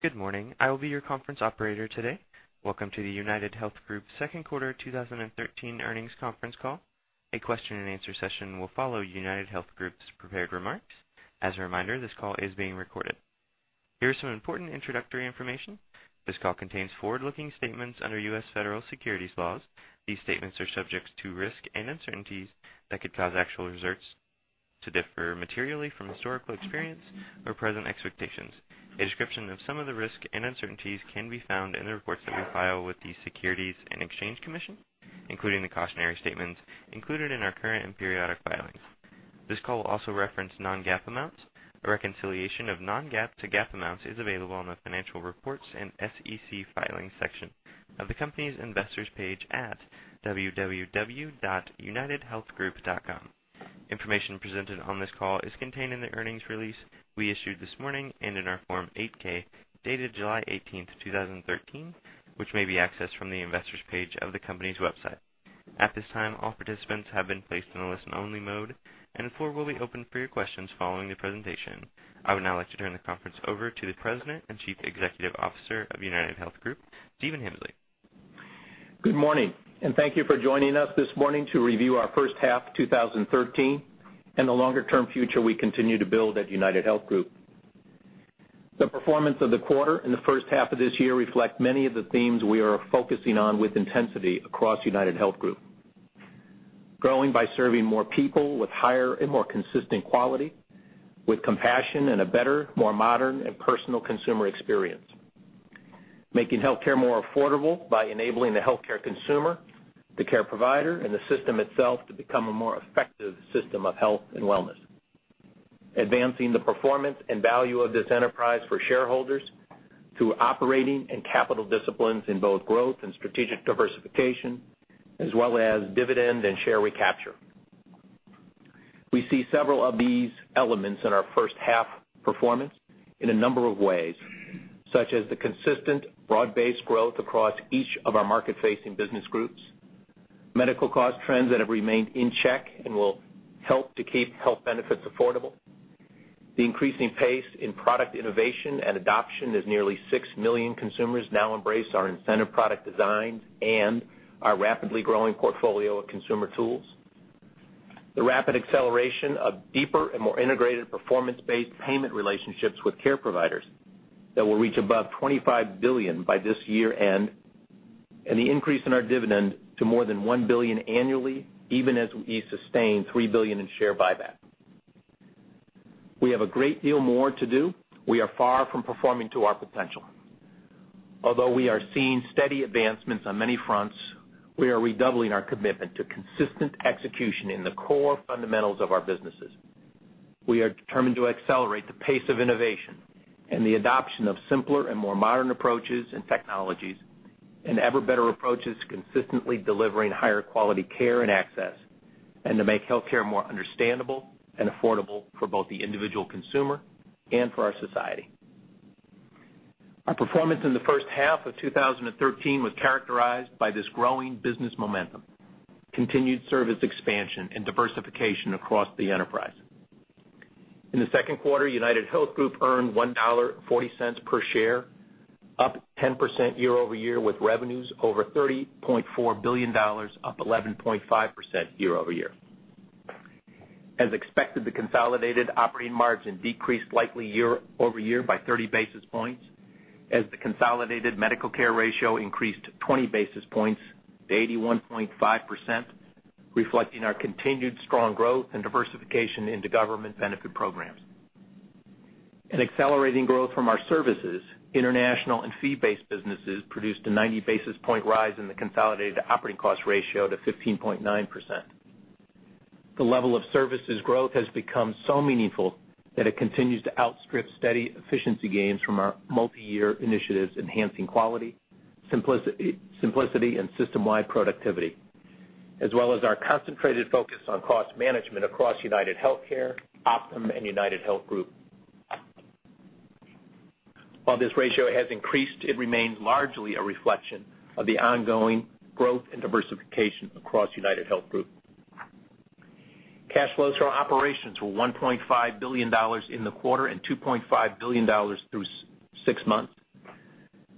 Good morning. I will be your conference operator today. Welcome to the UnitedHealth Group second quarter 2013 earnings conference call. A question and answer session will follow UnitedHealth Group's prepared remarks. As a reminder, this call is being recorded. Here are some important introductory information. This call contains forward-looking statements under U.S. Federal Securities laws. These statements are subject to risks and uncertainties that could cause actual results to differ materially from historical experience or present expectations. A description of some of the risks and uncertainties can be found in the reports that we file with the Securities and Exchange Commission, including the cautionary statements included in our current and periodic filings. This call will also reference non-GAAP amounts. A reconciliation of non-GAAP to GAAP amounts is available on the financial reports and SEC filings section of the company's investors page at www.unitedhealthgroup.com. Information presented on this call is contained in the earnings release we issued this morning and in our Form 8-K, dated July 18th, 2013, which may be accessed from the investors page of the company's website. At this time, all participants have been placed on a listen-only mode, and the floor will be open for your questions following the presentation. I would now like to turn the conference over to the President and Chief Executive Officer of UnitedHealth Group, Stephen Hemsley. Good morning. Thank you for joining us this morning to review our first half 2013 and the longer-term future we continue to build at UnitedHealth Group. The performance of the quarter and the first half of this year reflect many of the themes we are focusing on with intensity across UnitedHealth Group. Growing by serving more people with higher and more consistent quality, with compassion and a better, more modern and personal consumer experience. Making healthcare more affordable by enabling the healthcare consumer, the care provider, and the system itself to become a more effective system of health and wellness. Advancing the performance and value of this enterprise for shareholders through operating and capital disciplines in both growth and strategic diversification, as well as dividend and share recapture. We see several of these elements in our first half performance in a number of ways, such as the consistent broad-based growth across each of our market-facing business groups, medical cost trends that have remained in check and will help to keep health benefits affordable, the increasing pace in product innovation and adoption as nearly 6 million consumers now embrace our incentive product designs and our rapidly growing portfolio of consumer tools. The rapid acceleration of deeper and more integrated performance-based payment relationships with care providers that will reach above $25 billion by this year-end. The increase in our dividend to more than $1 billion annually, even as we sustain $3 billion in share buyback. We have a great deal more to do. We are far from performing to our potential. Although we are seeing steady advancements on many fronts, we are redoubling our commitment to consistent execution in the core fundamentals of our businesses. We are determined to accelerate the pace of innovation and the adoption of simpler and more modern approaches and technologies, and ever-better approaches to consistently delivering higher quality care and access, and to make healthcare more understandable and affordable for both the individual consumer and for our society. Our performance in the first half of 2013 was characterized by this growing business momentum, continued service expansion, and diversification across the enterprise. In the second quarter, UnitedHealth Group earned $1.40 per share, up 10% year-over-year, with revenues over $30.4 billion, up 11.5% year-over-year. As expected, the consolidated operating margin decreased likely year-over-year by 30 basis points, as the consolidated medical care ratio increased 20 basis points to 81.5%, reflecting our continued strong growth and diversification into government benefit programs. An accelerating growth from our services, international and fee-based businesses produced a 90 basis point rise in the consolidated operating cost ratio to 15.9%. The level of services growth has become so meaningful that it continues to outstrip steady efficiency gains from our multiyear initiatives enhancing quality, simplicity in system-wide productivity, as well as our concentrated focus on cost management across UnitedHealthcare, Optum, and UnitedHealth Group. While this ratio has increased, it remains largely a reflection of the ongoing growth and diversification across UnitedHealth Group. Cash flows from operations were $1.5 billion in the quarter and $2.5 billion through six months.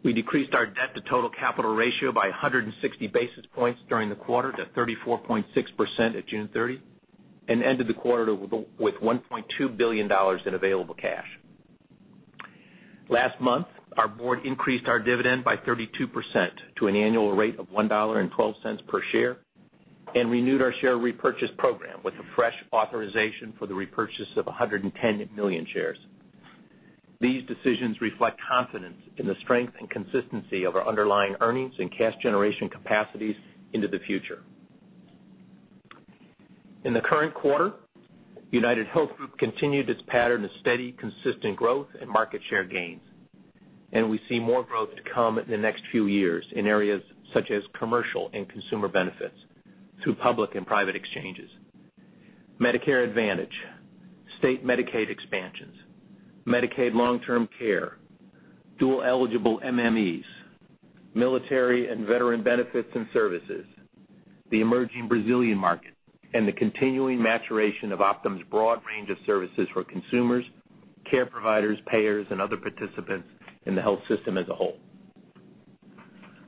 We decreased our debt to total capital ratio by 160 basis points during the quarter to 34.6% at June 30, and ended the quarter with $1.2 billion in available cash. Last month, our board increased our dividend by 32% to an annual rate of $1.12 per share and renewed our share repurchase program with a fresh authorization for the repurchase of 110 million shares. These decisions reflect confidence in the strength and consistency of our underlying earnings and cash generation capacities into the future. In the current quarter, UnitedHealth Group continued its pattern of steady, consistent growth and market share gains, and we see more growth to come in the next few years in areas such as commercial and consumer benefits through public and private exchanges, Medicare Advantage, state Medicaid expansions, Medicaid long-term care, dual-eligible MMEs military and veteran benefits and services, the emerging Brazilian market, and the continuing maturation of Optum's broad range of services for consumers, care providers, payers, and other participants in the health system as a whole.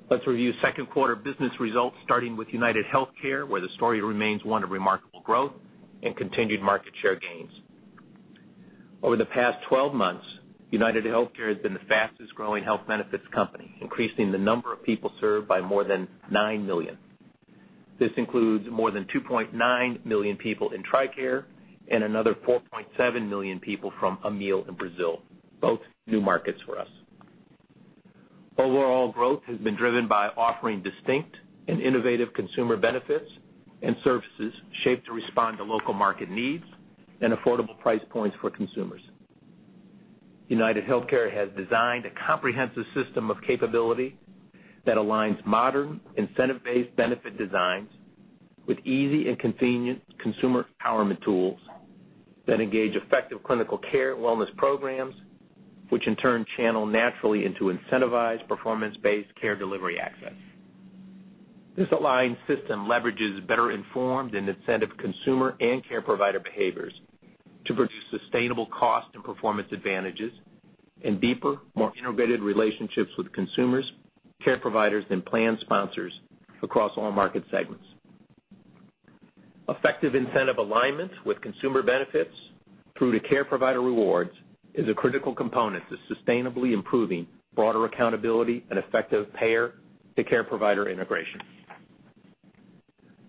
Let's review second quarter business results, starting with UnitedHealthcare, where the story remains one of remarkable growth and continued market share gains. Over the past 12 months, UnitedHealthcare has been the fastest-growing health benefits company, increasing the number of people served by more than 9 million. This includes more than 2.9 million people in TRICARE and another 4.7 million people from Amil in Brazil, both new markets for us. Overall growth has been driven by offering distinct and innovative consumer benefits and services shaped to respond to local market needs and affordable price points for consumers. UnitedHealthcare has designed a comprehensive system of capability that aligns modern incentive-based benefit designs with easy and convenient consumer empowerment tools that engage effective clinical care and wellness programs, which in turn channel naturally into incentivized performance-based care delivery access. This aligned system leverages better-informed and incentive consumer and care provider behaviors to produce sustainable cost and performance advantages and deeper, more integrated relationships with consumers, care providers, and plan sponsors across all market segments. Effective incentive alignment with consumer benefits through to care provider rewards is a critical component to sustainably improving broader accountability and effective payer to care provider integration.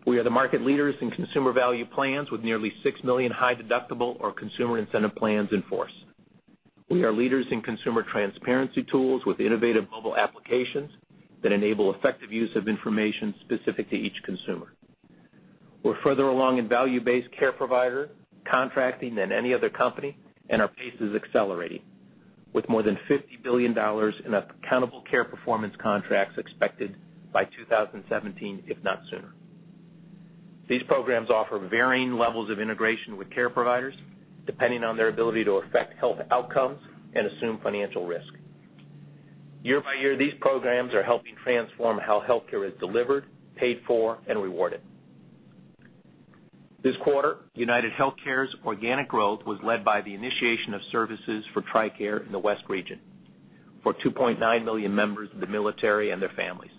We are the market leaders in consumer value plans with nearly 6 million high deductible or consumer incentive plans in force. We are leaders in consumer transparency tools with innovative mobile applications that enable effective use of information specific to each consumer. We're further along in value-based care provider contracting than any other company, and our pace is accelerating, with more than $50 billion in accountable care performance contracts expected by 2017, if not sooner. These programs offer varying levels of integration with care providers, depending on their ability to affect health outcomes and assume financial risk. Year by year, these programs are helping transform how healthcare is delivered, paid for, and rewarded. This quarter, UnitedHealthcare's organic growth was led by the initiation of services for TRICARE in the West Region for 2.9 million members of the military and their families.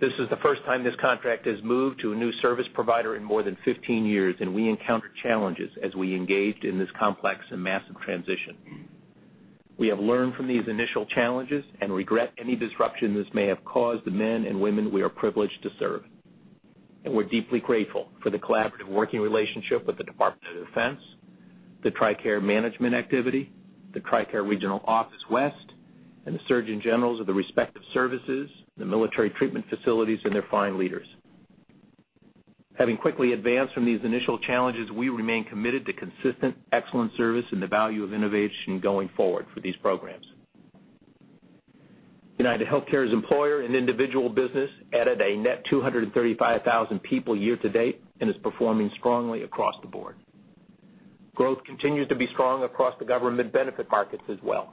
This is the first time this contract has moved to a new service provider in more than 15 years, we encountered challenges as we engaged in this complex and massive transition. We have learned from these initial challenges and regret any disruption this may have caused the men and women we are privileged to serve. We're deeply grateful for the collaborative working relationship with the Department of Defense, the TRICARE Management Activity, the TRICARE Regional Office West, and the surgeon generals of the respective services, the military treatment facilities, and their fine leaders. Having quickly advanced from these initial challenges, we remain committed to consistent excellent service and the value of innovation going forward for these programs. UnitedHealthcare's employer and individual business added a net 235,000 people year to date and is performing strongly across the board. Growth continues to be strong across the government benefit markets as well.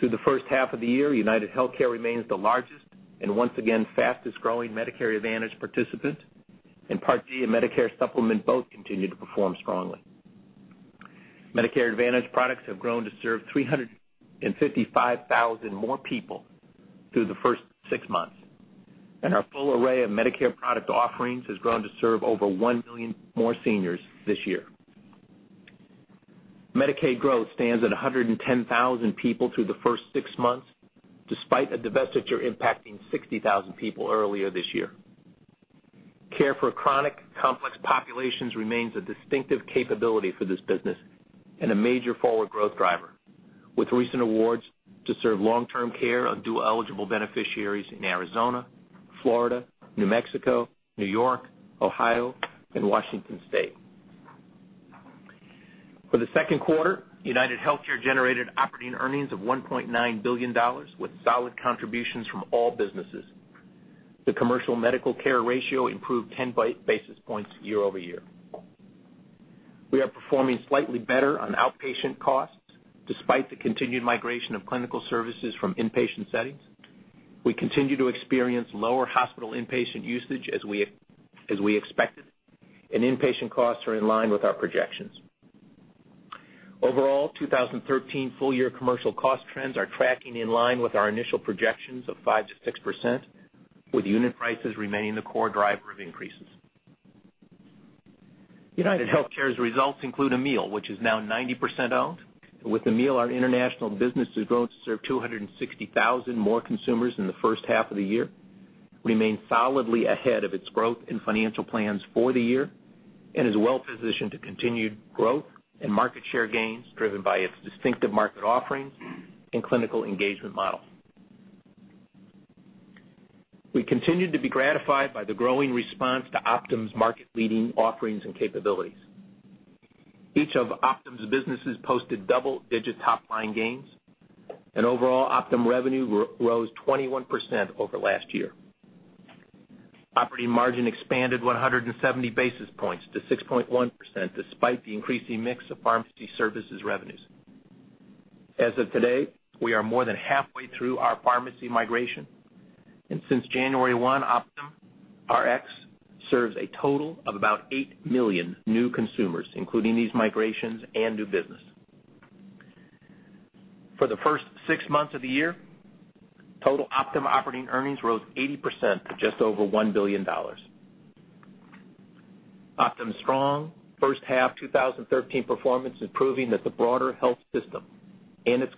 Through the first half of the year, UnitedHealthcare remains the largest and once again fastest-growing Medicare Advantage participant, and Part D and Medicare Supplement both continue to perform strongly. Medicare Advantage products have grown to serve 355,000 more people through the first six months, and our full array of Medicare product offerings has grown to serve over 1 million more seniors this year. Medicaid growth stands at 110,000 people through the first six months, despite a divestiture impacting 60,000 people earlier this year. Care for chronic complex populations remains a distinctive capability for this business and a major forward growth driver, with recent awards to serve long-term care of dual-eligible beneficiaries in Arizona, Florida, New Mexico, New York, Ohio, and Washington State. For the second quarter, UnitedHealthcare generated operating earnings of $1.9 billion with solid contributions from all businesses. The commercial medical care ratio improved 10 basis points year-over-year. We are performing slightly better on outpatient costs, despite the continued migration of clinical services from inpatient settings. We continue to experience lower hospital inpatient usage as we expected, and inpatient costs are in line with our projections. Overall, 2013 full-year commercial cost trends are tracking in line with our initial projections of 5%-6%, with unit prices remaining the core driver of increases. UnitedHealthcare's results include Amil, which is now 90% owned. Amil, our international business has grown to serve 260,000 more consumers in the first half of the year, remains solidly ahead of its growth and financial plans for the year, and is well-positioned to continued growth and market share gains driven by its distinctive market offerings and clinical engagement model. We continue to be gratified by the growing response to Optum's market-leading offerings and capabilities. Each of Optum's businesses posted double-digit top-line gains, and overall Optum revenue rose 21% over last year. Operating margin expanded 170 basis points to 6.1%, despite the increasing mix of pharmacy services revenues. As of today, we are more than halfway through our pharmacy migration, and since January 1, OptumRx serves a total of about 8 million new consumers, including these migrations and new business. For the first six months of the year, total Optum operating earnings rose 80% to just over $1 billion. Optum's strong first half 2013 performance is proving that the broader health system and its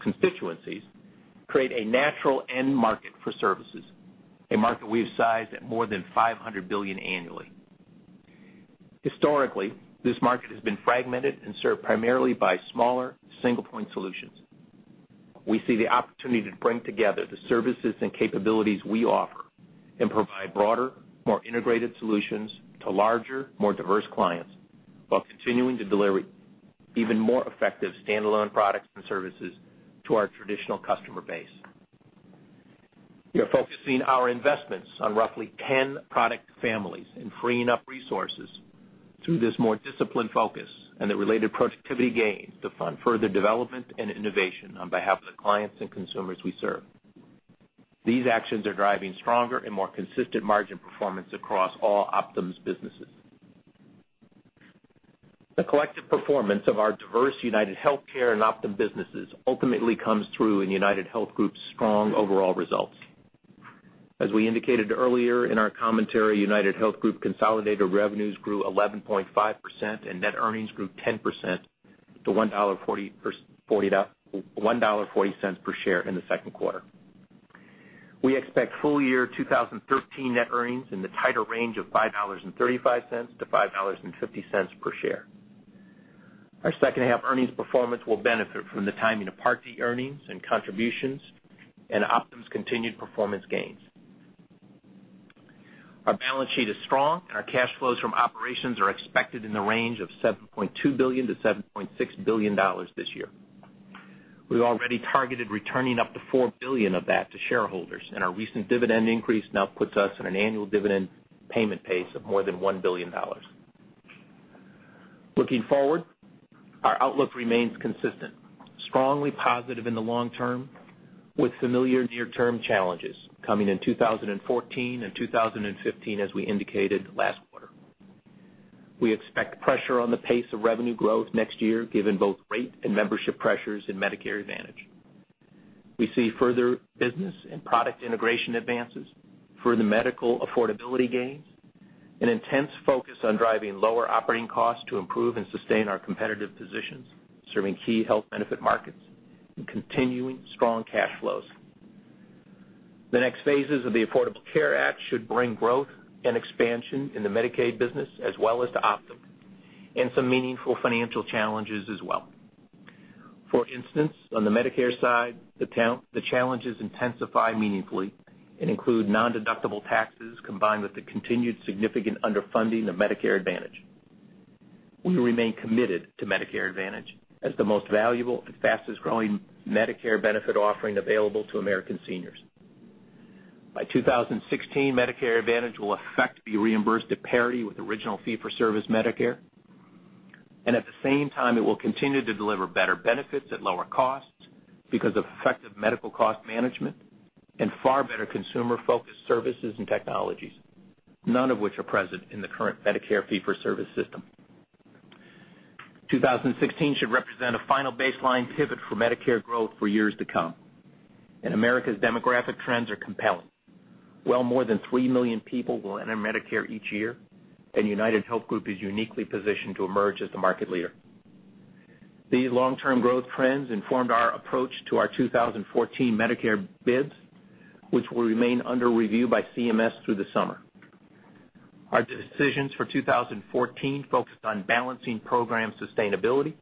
constituencies create a natural end market for services, a market we've sized at more than $500 billion annually. Historically, this market has been fragmented and served primarily by smaller, single-point solutions. We see the opportunity to bring together the services and capabilities we offer and provide broader, more integrated solutions to larger, more diverse clients while continuing to deliver even more effective standalone products and services to our traditional customer base. We are focusing our investments on roughly 10 product families and freeing up resources through this more disciplined focus and the related productivity gains to fund further development and innovation on behalf of the clients and consumers we serve. These actions are driving stronger and more consistent margin performance across all Optum's businesses. The collective performance of our diverse UnitedHealthcare and Optum businesses ultimately comes through in UnitedHealth Group's strong overall results. As we indicated earlier in our commentary, UnitedHealth Group consolidated revenues grew 11.5% and net earnings grew 10% to $1.40 per share in the second quarter. We expect full year 2013 net earnings in the tighter range of $5.35-$5.50 per share. Our second-half earnings performance will benefit from the timing of Part D earnings and contributions and Optum's continued performance gains. Our balance sheet is strong, and our cash flows from operations are expected in the range of $7.2 billion-$7.6 billion this year. We've already targeted returning up to $4 billion of that to shareholders. Our recent dividend increase now puts us on an annual dividend payment pace of more than $1 billion. Looking forward, our outlook remains consistent, strongly positive in the long term, with familiar near-term challenges coming in 2014 and 2015 as we indicated last quarter. We expect pressure on the pace of revenue growth next year, given both rate and membership pressures in Medicare Advantage. We see further business and product integration advances, further medical affordability gains, an intense focus on driving lower operating costs to improve and sustain our competitive positions, serving key health benefit markets and continuing strong cash flows. The next phases of the Affordable Care Act should bring growth and expansion in the Medicaid business as well as to Optum. Some meaningful financial challenges as well. For instance, on the Medicare side, the challenges intensify meaningfully and include non-deductible taxes combined with the continued significant underfunding of Medicare Advantage. We remain committed to Medicare Advantage as the most valuable and fastest-growing Medicare benefit offering available to American seniors. By 2016, Medicare Advantage will affect the reimbursed parity with original fee-for-service Medicare. At the same time, it will continue to deliver better benefits at lower costs because of effective medical cost management and far better consumer-focused services and technologies, none of which are present in the current Medicare fee-for-service system. 2016 should represent a final baseline pivot for Medicare growth for years to come. America's demographic trends are compelling. Well more than 3 million people will enter Medicare each year. UnitedHealth Group is uniquely positioned to emerge as the market leader. These long-term growth trends informed our approach to our 2014 Medicare bids, which will remain under review by CMS through the summer. Our decisions for 2014 focused on balancing program sustainability,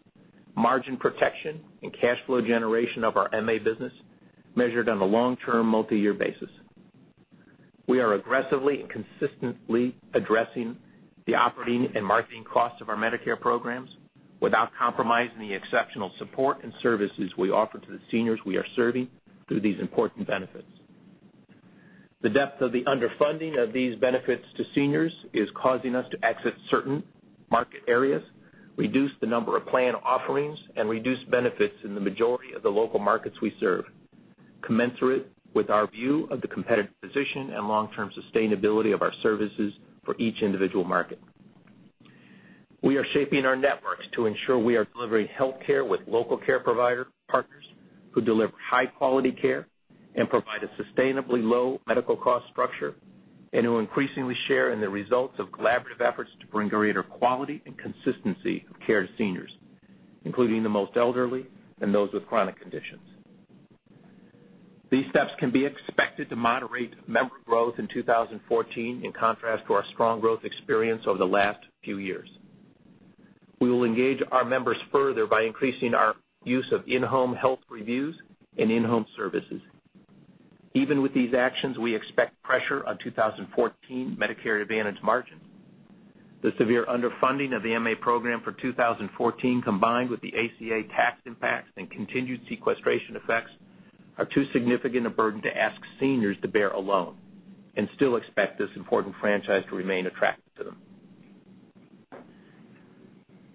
margin protection, and cash flow generation of our MA business, measured on a long-term, multi-year basis. We are aggressively and consistently addressing the operating and marketing costs of our Medicare programs without compromising the exceptional support and services we offer to the seniors we are serving through these important benefits. The depth of the underfunding of these benefits to seniors is causing us to exit certain market areas, reduce the number of plan offerings, and reduce benefits in the majority of the local markets we serve, commensurate with our view of the competitive position and long-term sustainability of our services for each individual market. We are shaping our networks to ensure we are delivering healthcare with local care provider partners who deliver high-quality care and provide a sustainably low medical cost structure, who increasingly share in the results of collaborative efforts to bring greater quality and consistency of care to seniors, including the most elderly and those with chronic conditions. These steps can be expected to moderate member growth in 2014, in contrast to our strong growth experience over the last few years. We will engage our members further by increasing our use of in-home health reviews and in-home services. Even with these actions, we expect pressure on 2014 Medicare Advantage margin. The severe underfunding of the MA program for 2014, combined with the ACA tax impacts and continued sequestration effects, are too significant a burden to ask seniors to bear alone and still expect this important franchise to remain attractive to them.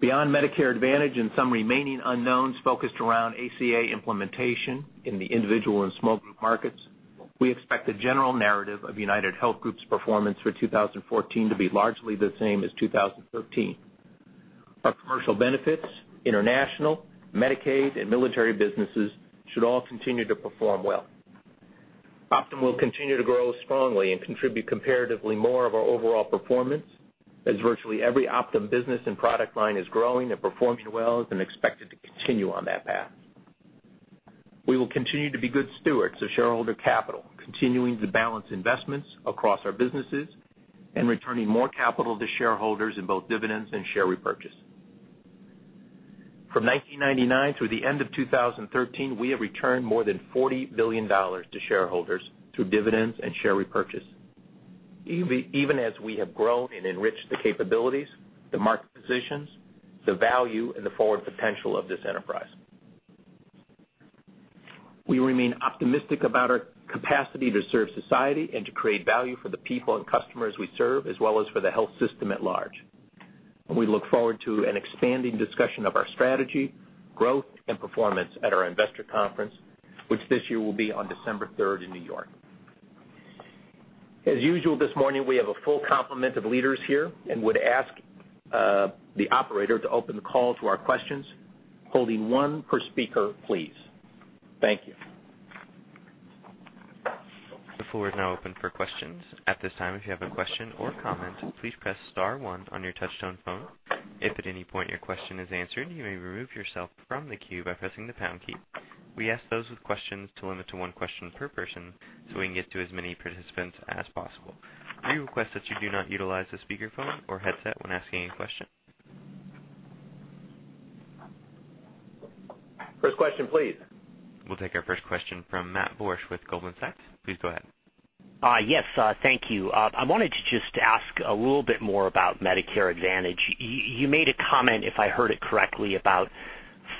Beyond Medicare Advantage and some remaining unknowns focused around ACA implementation in the individual and small group markets, we expect the general narrative of UnitedHealth Group's performance for 2014 to be largely the same as 2013. Our commercial benefits, international, Medicaid, and military businesses should all continue to perform well. Optum will continue to grow strongly and contribute comparatively more of our overall performance, as virtually every Optum business and product line is growing and performing well and expected to continue on that path. We will continue to be good stewards of shareholder capital, continuing to balance investments across our businesses and returning more capital to shareholders in both dividends and share repurchase. From 1999 to the end of 2013, we have returned more than $40 billion to shareholders through dividends and share repurchase, even as we have grown and enriched the capabilities, the market positions, the value, and the forward potential of this enterprise. We remain optimistic about our capacity to serve society and to create value for the people and customers we serve, as well as for the health system at large. We look forward to an expanding discussion of our strategy, growth, and performance at our investor conference, which this year will be on December 3rd in New York. As usual, this morning, we have a full complement of leaders here and would ask the operator to open the call to our questions, holding one per speaker, please. Thank you. The floor is now open for questions. At this time, if you have a question or comment, please press star one on your touch-tone phone. If at any point your question is answered, you may remove yourself from the queue by pressing the pound key. We ask those with questions to limit to one question per person so we can get to as many participants as possible. We request that you do not utilize a speakerphone or headset when asking a question. First question, please. We'll take our first question from Matthew Borsch with Goldman Sachs. Please go ahead. Yes, thank you. I wanted to just ask a little bit more about Medicare Advantage. You made a comment, if I heard it correctly, about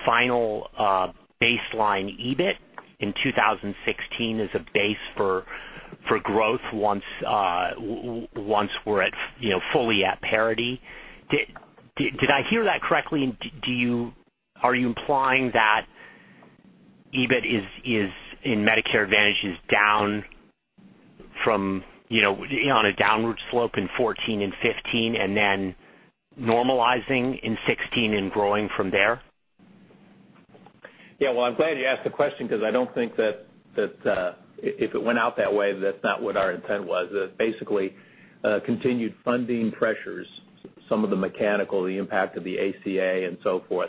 final baseline EBIT in 2016 as a base for growth once we're fully at parity. Did I hear that correctly? Are you implying that EBIT in Medicare Advantage is on a downward slope in 2014 and 2015 and then normalizing in 2016 and growing from there? Well, I'm glad you asked the question because I don't think that if it went out that way, that's not what our intent was. Basically, continued funding pressures, some of the mechanical, the impact of the ACA and so forth,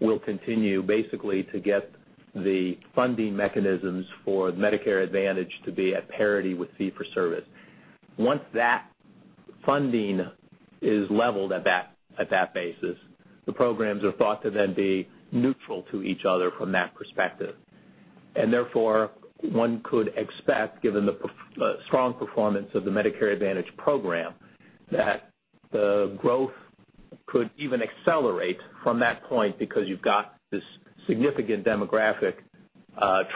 will continue basically to get the funding mechanisms for Medicare Advantage to be at parity with fee-for-service. Once that funding is leveled at that basis, the programs are thought to then be neutral to each other from that perspective. Therefore, one could expect, given the strong performance of the Medicare Advantage program, that the growth could even accelerate from that point because you've got this significant demographic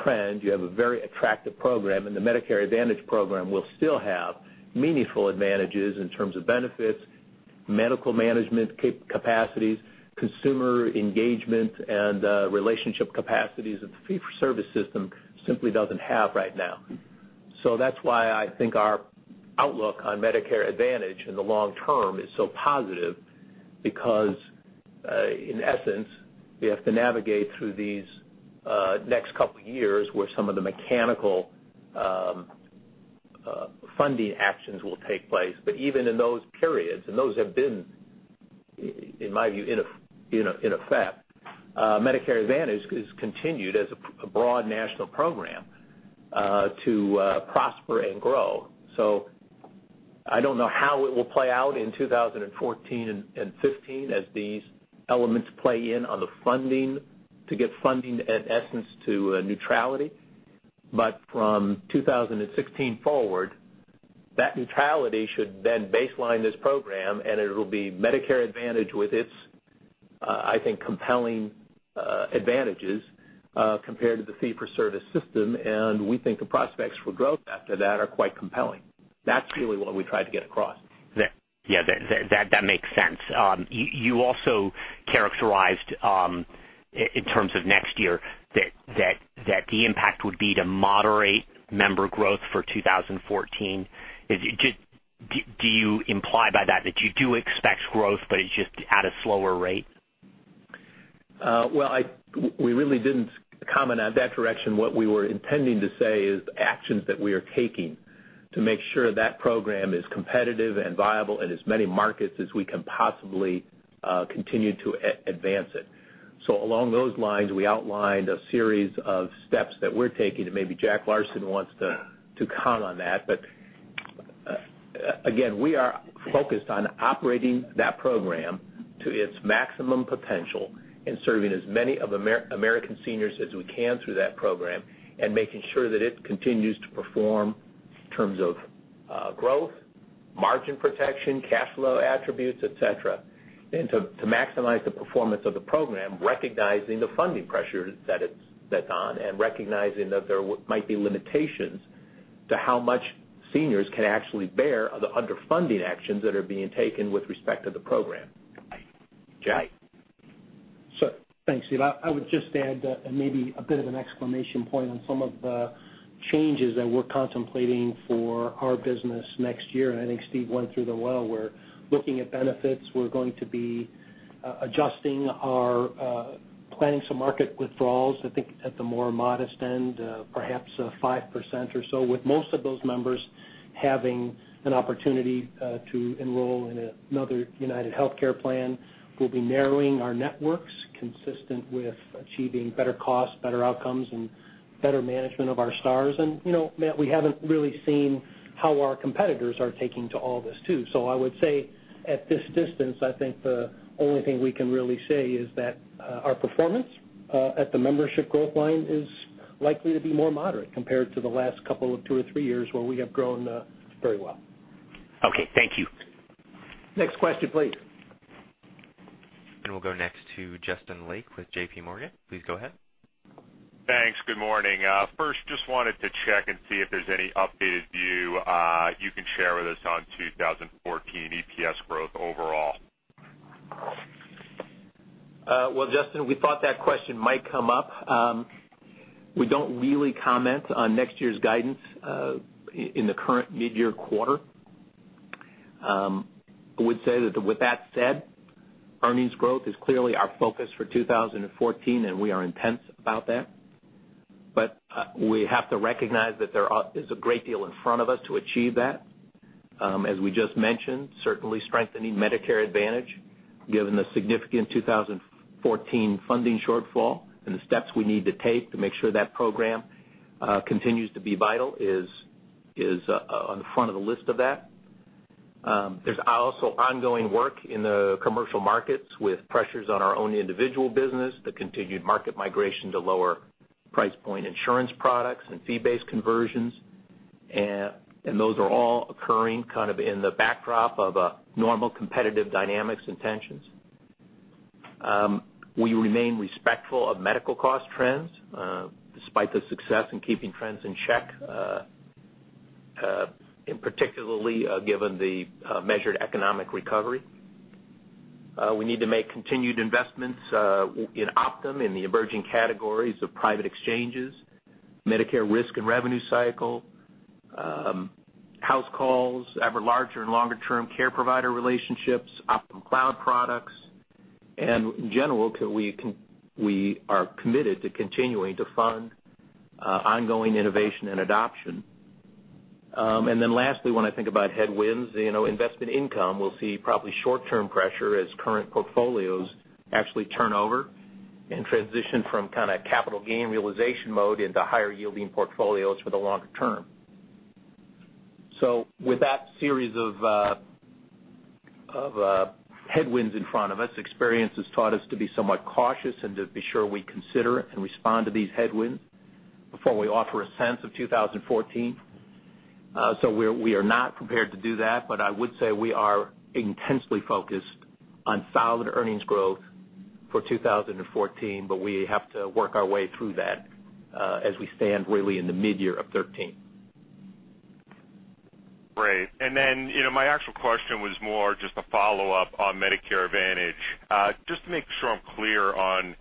trend. You have a very attractive program, and the Medicare Advantage program will still have meaningful advantages in terms of benefits, medical management capacities, consumer engagement, and relationship capacities that the fee-for-service system simply doesn't have right now. That's why I think our outlook on Medicare Advantage in the long term is so positive because, in essence, we have to navigate through these next couple of years where some of the mechanical funding actions will take place. Even in those periods, and those have been, in my view, in effect, Medicare Advantage has continued, as a broad national program, to prosper and grow. I don't know how it will play out in 2014 and 2015 as these elements play in on the funding to get funding, in essence, to neutrality. From 2016 forward, that neutrality should then baseline this program, and it will be Medicare Advantage with its, I think, compelling advantages compared to the fee-for-service system, and we think the prospects for growth after that are quite compelling. That's really what we try to get across. Yeah, that makes sense. You also characterized, in terms of next year, that the impact would be to moderate member growth for 2014. Do you imply by that you do expect growth, but it's just at a slower rate? Well, we really didn't comment on that direction. What we were intending to say is actions that we are taking to make sure that program is competitive and viable in as many markets as we can possibly continue to advance it. Along those lines, we outlined a series of steps that we're taking, and maybe Jack Larsen wants to comment on that. But again, we are focused on operating that program to its maximum potential in serving as many American seniors as we can through that program, and making sure that it continues to perform in terms of growth, margin protection, cash flow attributes, et cetera. To maximize the performance of the program, recognizing the funding pressure that's on, and recognizing that there might be limitations to how much seniors can actually bear the underfunding actions that are being taken with respect to the program. Jack? Sure. Thanks, Steve. I would just add maybe a bit of an exclamation point on some of the changes that we're contemplating for our business next year, and I think Steve went through them well. We're looking at benefits. We're going to be adjusting our planning some market withdrawals, I think at the more modest end, perhaps 5% or so, with most of those members having an opportunity to enroll in another UnitedHealthcare plan. We'll be narrowing our networks consistent with achieving better costs, better outcomes, and better management of our stars. Matt, we haven't really seen how our competitors are taking to all this, too. I would say at this distance, I think the only thing we can really say is that our performance at the membership growth line is likely to be more moderate compared to the last couple of two or three years where we have grown very well. Okay, thank you. Next question please. We'll go next to Justin Lake with JPMorgan. Please go ahead. Thanks. Good morning. First, just wanted to check and see if there's any updated view you can share with us on 2014 EPS growth overall. Well, Justin, we thought that question might come up. We don't really comment on next year's guidance in the current mid-year quarter. I would say that with that said, earnings growth is clearly our focus for 2014, and we are intense about that. We have to recognize that there's a great deal in front of us to achieve that. As we just mentioned, certainly strengthening Medicare Advantage, given the significant 2014 funding shortfall and the steps we need to take to make sure that program continues to be vital is on the front of the list of that. There's also ongoing work in the commercial markets with pressures on our own individual business, the continued market migration to lower price point insurance products and fee-based conversions, those are all occurring in the backdrop of normal competitive dynamics and tensions. We remain respectful of medical cost trends despite the success in keeping trends in check, and particularly given the measured economic recovery. We need to make continued investments in Optum in the emerging categories of private exchanges, Medicare risk and revenue cycle, house calls, ever larger and longer term care provider relationships, Optum cloud products, and in general, we are committed to continuing to fund ongoing innovation and adoption. Lastly, when I think about headwinds, investment income will see probably short-term pressure as current portfolios actually turn over and transition from capital gain realization mode into higher yielding portfolios for the longer term. With that series of headwinds in front of us, experience has taught us to be somewhat cautious and to be sure we consider and respond to these headwinds before we offer a sense of 2014. We are not prepared to do that, I would say we are intensely focused on solid earnings growth for 2014, we have to work our way through that as we stand really in the mid-year of 2013. Great. My actual question was more just a follow-up on Medicare Advantage. Just to make sure I'm clear on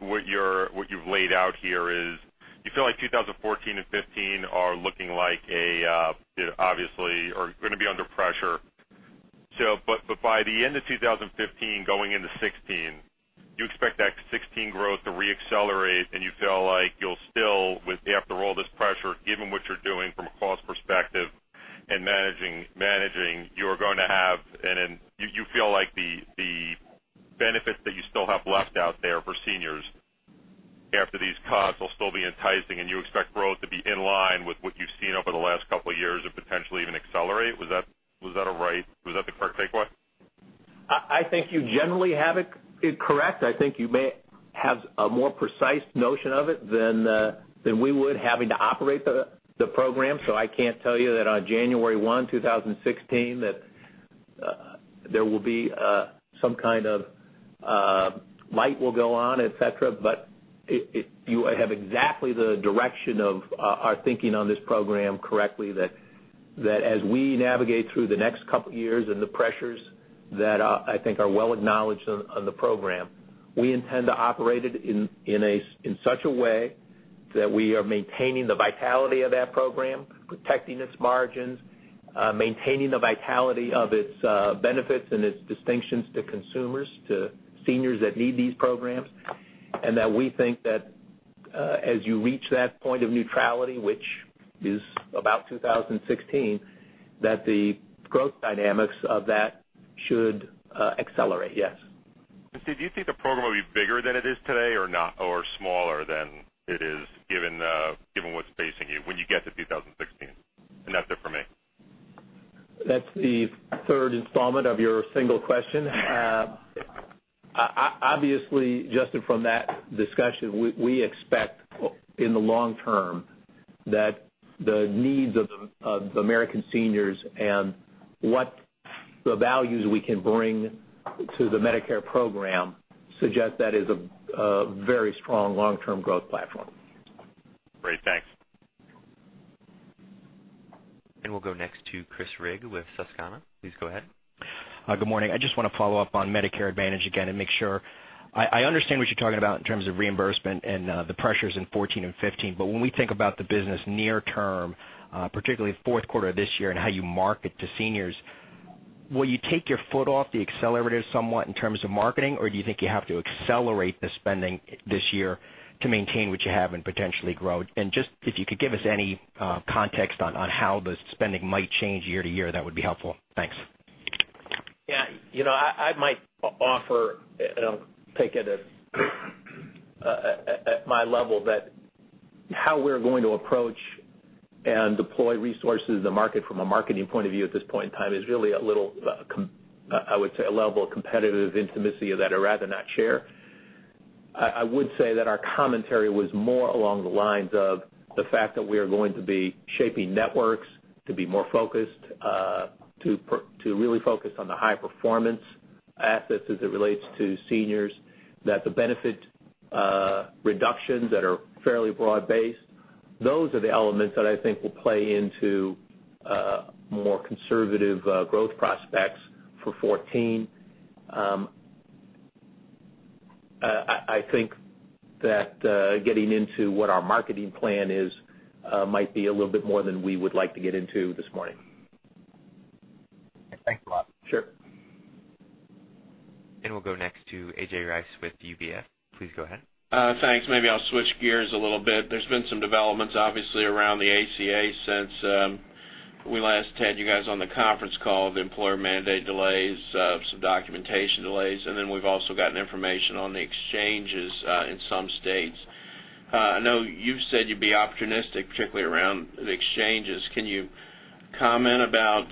what you've laid out here is you feel like 2014 and 2015 are looking like they obviously are going to be under pressure. By the end of 2015 going into 2016, do you expect that 2016 growth to re-accelerate and you feel like you'll still, after all this pressure, given what you're doing from a cost perspective and managing, you feel like the benefits that you still have left out there for seniors after these cuts will still be enticing and you expect growth to be in line with what you've seen over the last couple of years and potentially even accelerate? Was that the correct takeaway? I think you generally have it correct. I think you may have a more precise notion of it than we would, having to operate the program. I can't tell you that on January 1, 2016, that there will be some kind of light will go on, et cetera. You have exactly the direction of our thinking on this program correctly, that as we navigate through the next couple years and the pressures that I think are well acknowledged on the program, we intend to operate it in such a way that we are maintaining the vitality of that program, protecting its margins, maintaining the vitality of its benefits and its distinctions to consumers, to seniors that need these programs. That we think that as you reach that point of neutrality, which is about 2016, that the growth dynamics of that should accelerate, yes. Steve, do you think the program will be bigger than it is today or smaller than it is given what's facing you when you get to 2016? That's the third installment of your single question. Obviously, Justin, from that discussion, we expect in the long term that the needs of American seniors and what the values we can bring to the Medicare program suggest that is a very strong long-term growth platform. Great, thanks. We'll go next to Chris Rigg with Susquehanna. Please go ahead. Hi. Good morning. I just want to follow up on Medicare Advantage again and make sure. I understand what you're talking about in terms of reimbursement and the pressures in 2014 and 2015, but when we think about the business near term, particularly fourth quarter of this year and how you market to seniors, will you take your foot off the accelerator somewhat in terms of marketing, or do you think you have to accelerate the spending this year to maintain what you have and potentially grow? Just if you could give us any context on how the spending might change year-to-year, that would be helpful. Thanks. Yeah. I might offer, I'll take it at my level, that how we're going to approach and deploy resources to market from a marketing point of view at this point in time is really a little, I would say, a level of competitive intimacy that I'd rather not share. I would say that our commentary was more along the lines of the fact that we are going to be shaping networks to be more focused, to really focus on the high-performance assets as it relates to seniors, that the benefit reductions that are fairly broad-based. Those are the elements that I think will play into more conservative growth prospects for 2014. I think that getting into what our marketing plan is might be a little bit more than we would like to get into this morning. Thanks a lot. Sure. We'll go next to A.J. Rice with UBS. Please go ahead. Thanks. Maybe I'll switch gears a little bit. There's been some developments, obviously, around the ACA since we last had you guys on the conference call, the employer mandate delays, some documentation delays, then we've also gotten information on the exchanges in some states. I know you've said you'd be opportunistic, particularly around the exchanges. Can you comment about,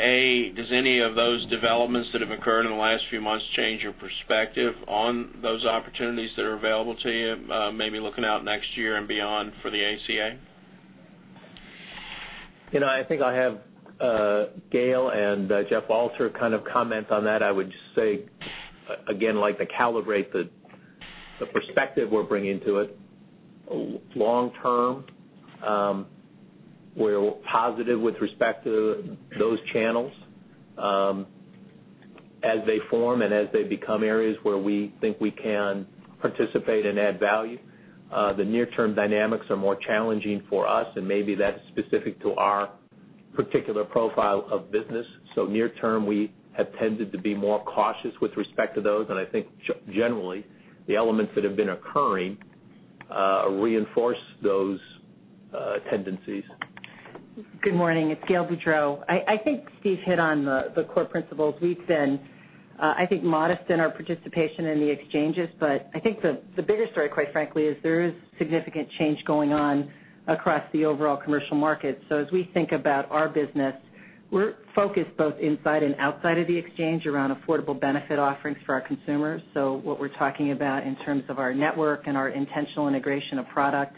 A, does any of those developments that have occurred in the last few months change your perspective on those opportunities that are available to you, maybe looking out next year and beyond for the ACA? I think I'll have Gail and Jeff Walter kind of comment on that. I would just say, again, like to calibrate the perspective we're bringing to it. Long term, we're positive with respect to those channels as they form and as they become areas where we think we can participate and add value. The near-term dynamics are more challenging for us, and maybe that's specific to our particular profile of business. Near term, we have tended to be more cautious with respect to those, and I think generally, the elements that have been occurring reinforce those tendencies. Good morning. It's Gail Boudreaux. I think Steve hit on the core principles. We've been, I think, modest in our participation in the exchanges, but I think the bigger story, quite frankly, is there is significant change going on across the overall commercial market. As we think about our business, we're focused both inside and outside of the exchange around affordable benefit offerings for our consumers. What we're talking about in terms of our network and our intentional integration of product,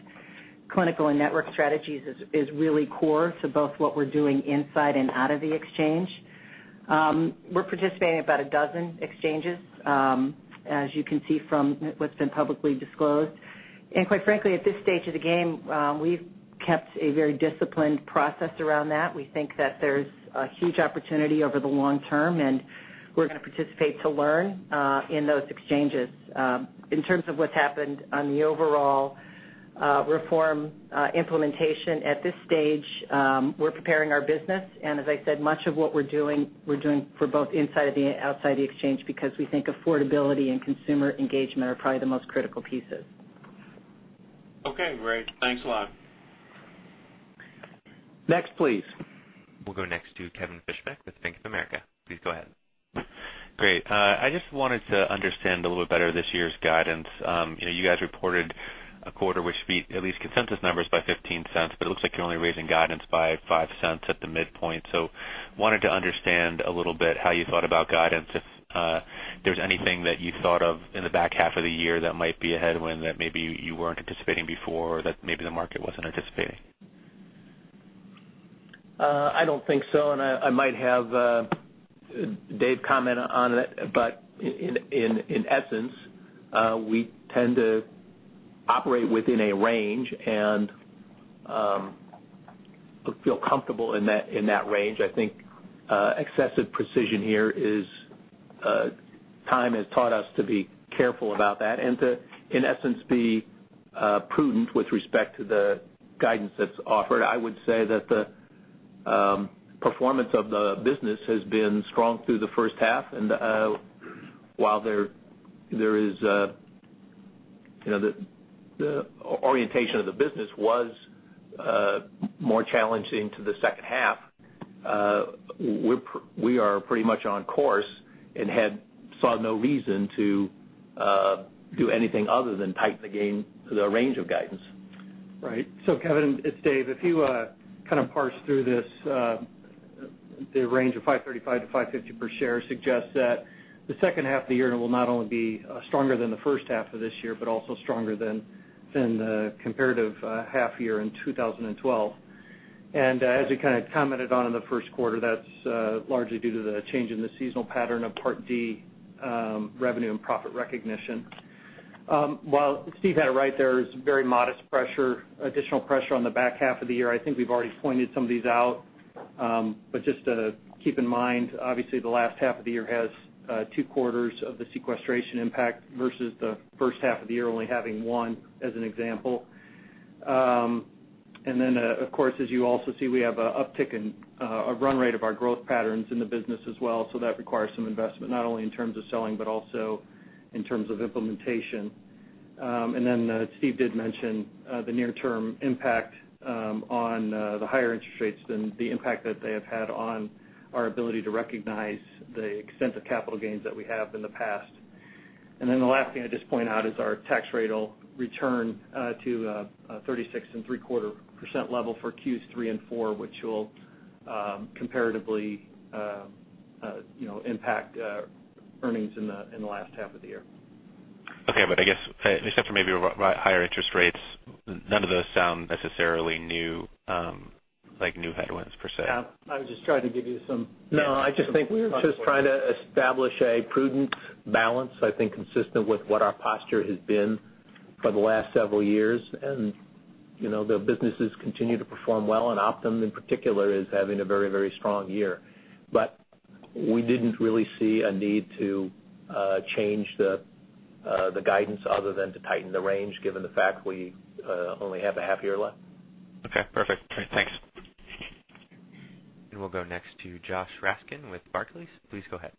clinical and network strategies is really core to both what we're doing inside and out of the exchange. We're participating in about a dozen exchanges, as you can see from what's been publicly disclosed. Quite frankly, at this stage of the game, we've kept a very disciplined process around that. We think that there's a huge opportunity over the long term, and we're going to participate to learn in those exchanges. In terms of what's happened on the overall reform implementation, at this stage, we're preparing our business, and as I said, much of what we're doing, we're doing for both inside and outside the exchange because we think affordability and consumer engagement are probably the most critical pieces. Okay, great. Thanks a lot. Next, please. We'll go next to Kevin Fischbeck with Bank of America. Please go ahead. Great. I just wanted to understand a little bit better this year's guidance. You guys reported a quarter which beat at least consensus numbers by $0.15, it looks like you're only raising guidance by $0.05 at the midpoint. Wanted to understand a little bit how you thought about guidance, if there's anything that you thought of in the back half of the year that might be a headwind that maybe you weren't anticipating before, that maybe the market wasn't anticipating. I don't think so. I might have Dave comment on it. In essence, we tend to operate within a range and feel comfortable in that range. I think excessive precision here is, time has taught us to be careful about that and to, in essence, be prudent with respect to the guidance that's offered. I would say that the performance of the business has been strong through the first half, while the orientation of the business was more challenging to the second half, we are pretty much on course and saw no reason to do anything other than tighten the range of guidance. Right. Kevin, it's Dave. If you kind of parse through this, the range of $5.35-$5.50 per share suggests that the second half of the year will not only be stronger than the first half of this year, but also stronger than the comparative half year in 2012. As you commented on in the first quarter, that's largely due to the change in the seasonal pattern of Part D revenue and profit recognition. While Steve had it right, there is very modest pressure, additional pressure on the back half of the year. I think we've already pointed some of these out. Just to keep in mind, obviously the last half of the year has two quarters of the sequestration impact versus the first half of the year only having one, as an example. Of course, as you also see, we have a run rate of our growth patterns in the business as well, so that requires some investment, not only in terms of selling, but also in terms of implementation. As Steve did mention, the near-term impact on the higher interest rates and the impact that they have had on our ability to recognize the extent of capital gains that we have in the past. The last thing I'd just point out is our tax rate will return to a 36.75% level for Q3 and four, which will comparatively impact earnings in the last half of the year. Okay. I guess, except for maybe higher interest rates, none of those sound necessarily like new headwinds per se. I was just trying to give you some- No, I just think we're just trying to establish a prudent balance, I think, consistent with what our posture has been for the last several years. The businesses continue to perform well, and Optum in particular is having a very strong year. We didn't really see a need to change the guidance other than to tighten the range, given the fact we only have a half year left. Okay, perfect. Thanks. We'll go next to Josh Raskin with Barclays. Please go ahead.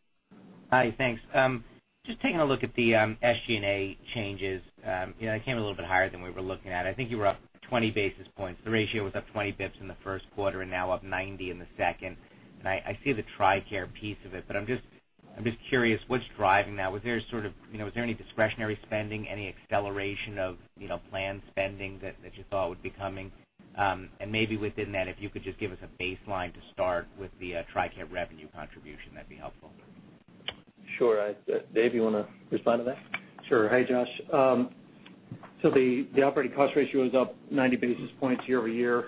Hi, thanks. Just taking a look at the SG&A changes. It came in a little bit higher than we were looking at. I think you were up 20 basis points. The ratio was up 20 bips in the first quarter and now up 90 in the second. I see the TRICARE piece of it, but I'm just curious what's driving that. Was there any discretionary spending, any acceleration of planned spending that you thought would be coming? Maybe within that, if you could just give us a baseline to start with the TRICARE revenue contribution, that'd be helpful. Sure. Dave, you want to respond to that? Sure. Hey, Josh. The operating cost ratio is up 90 basis points year-over-year.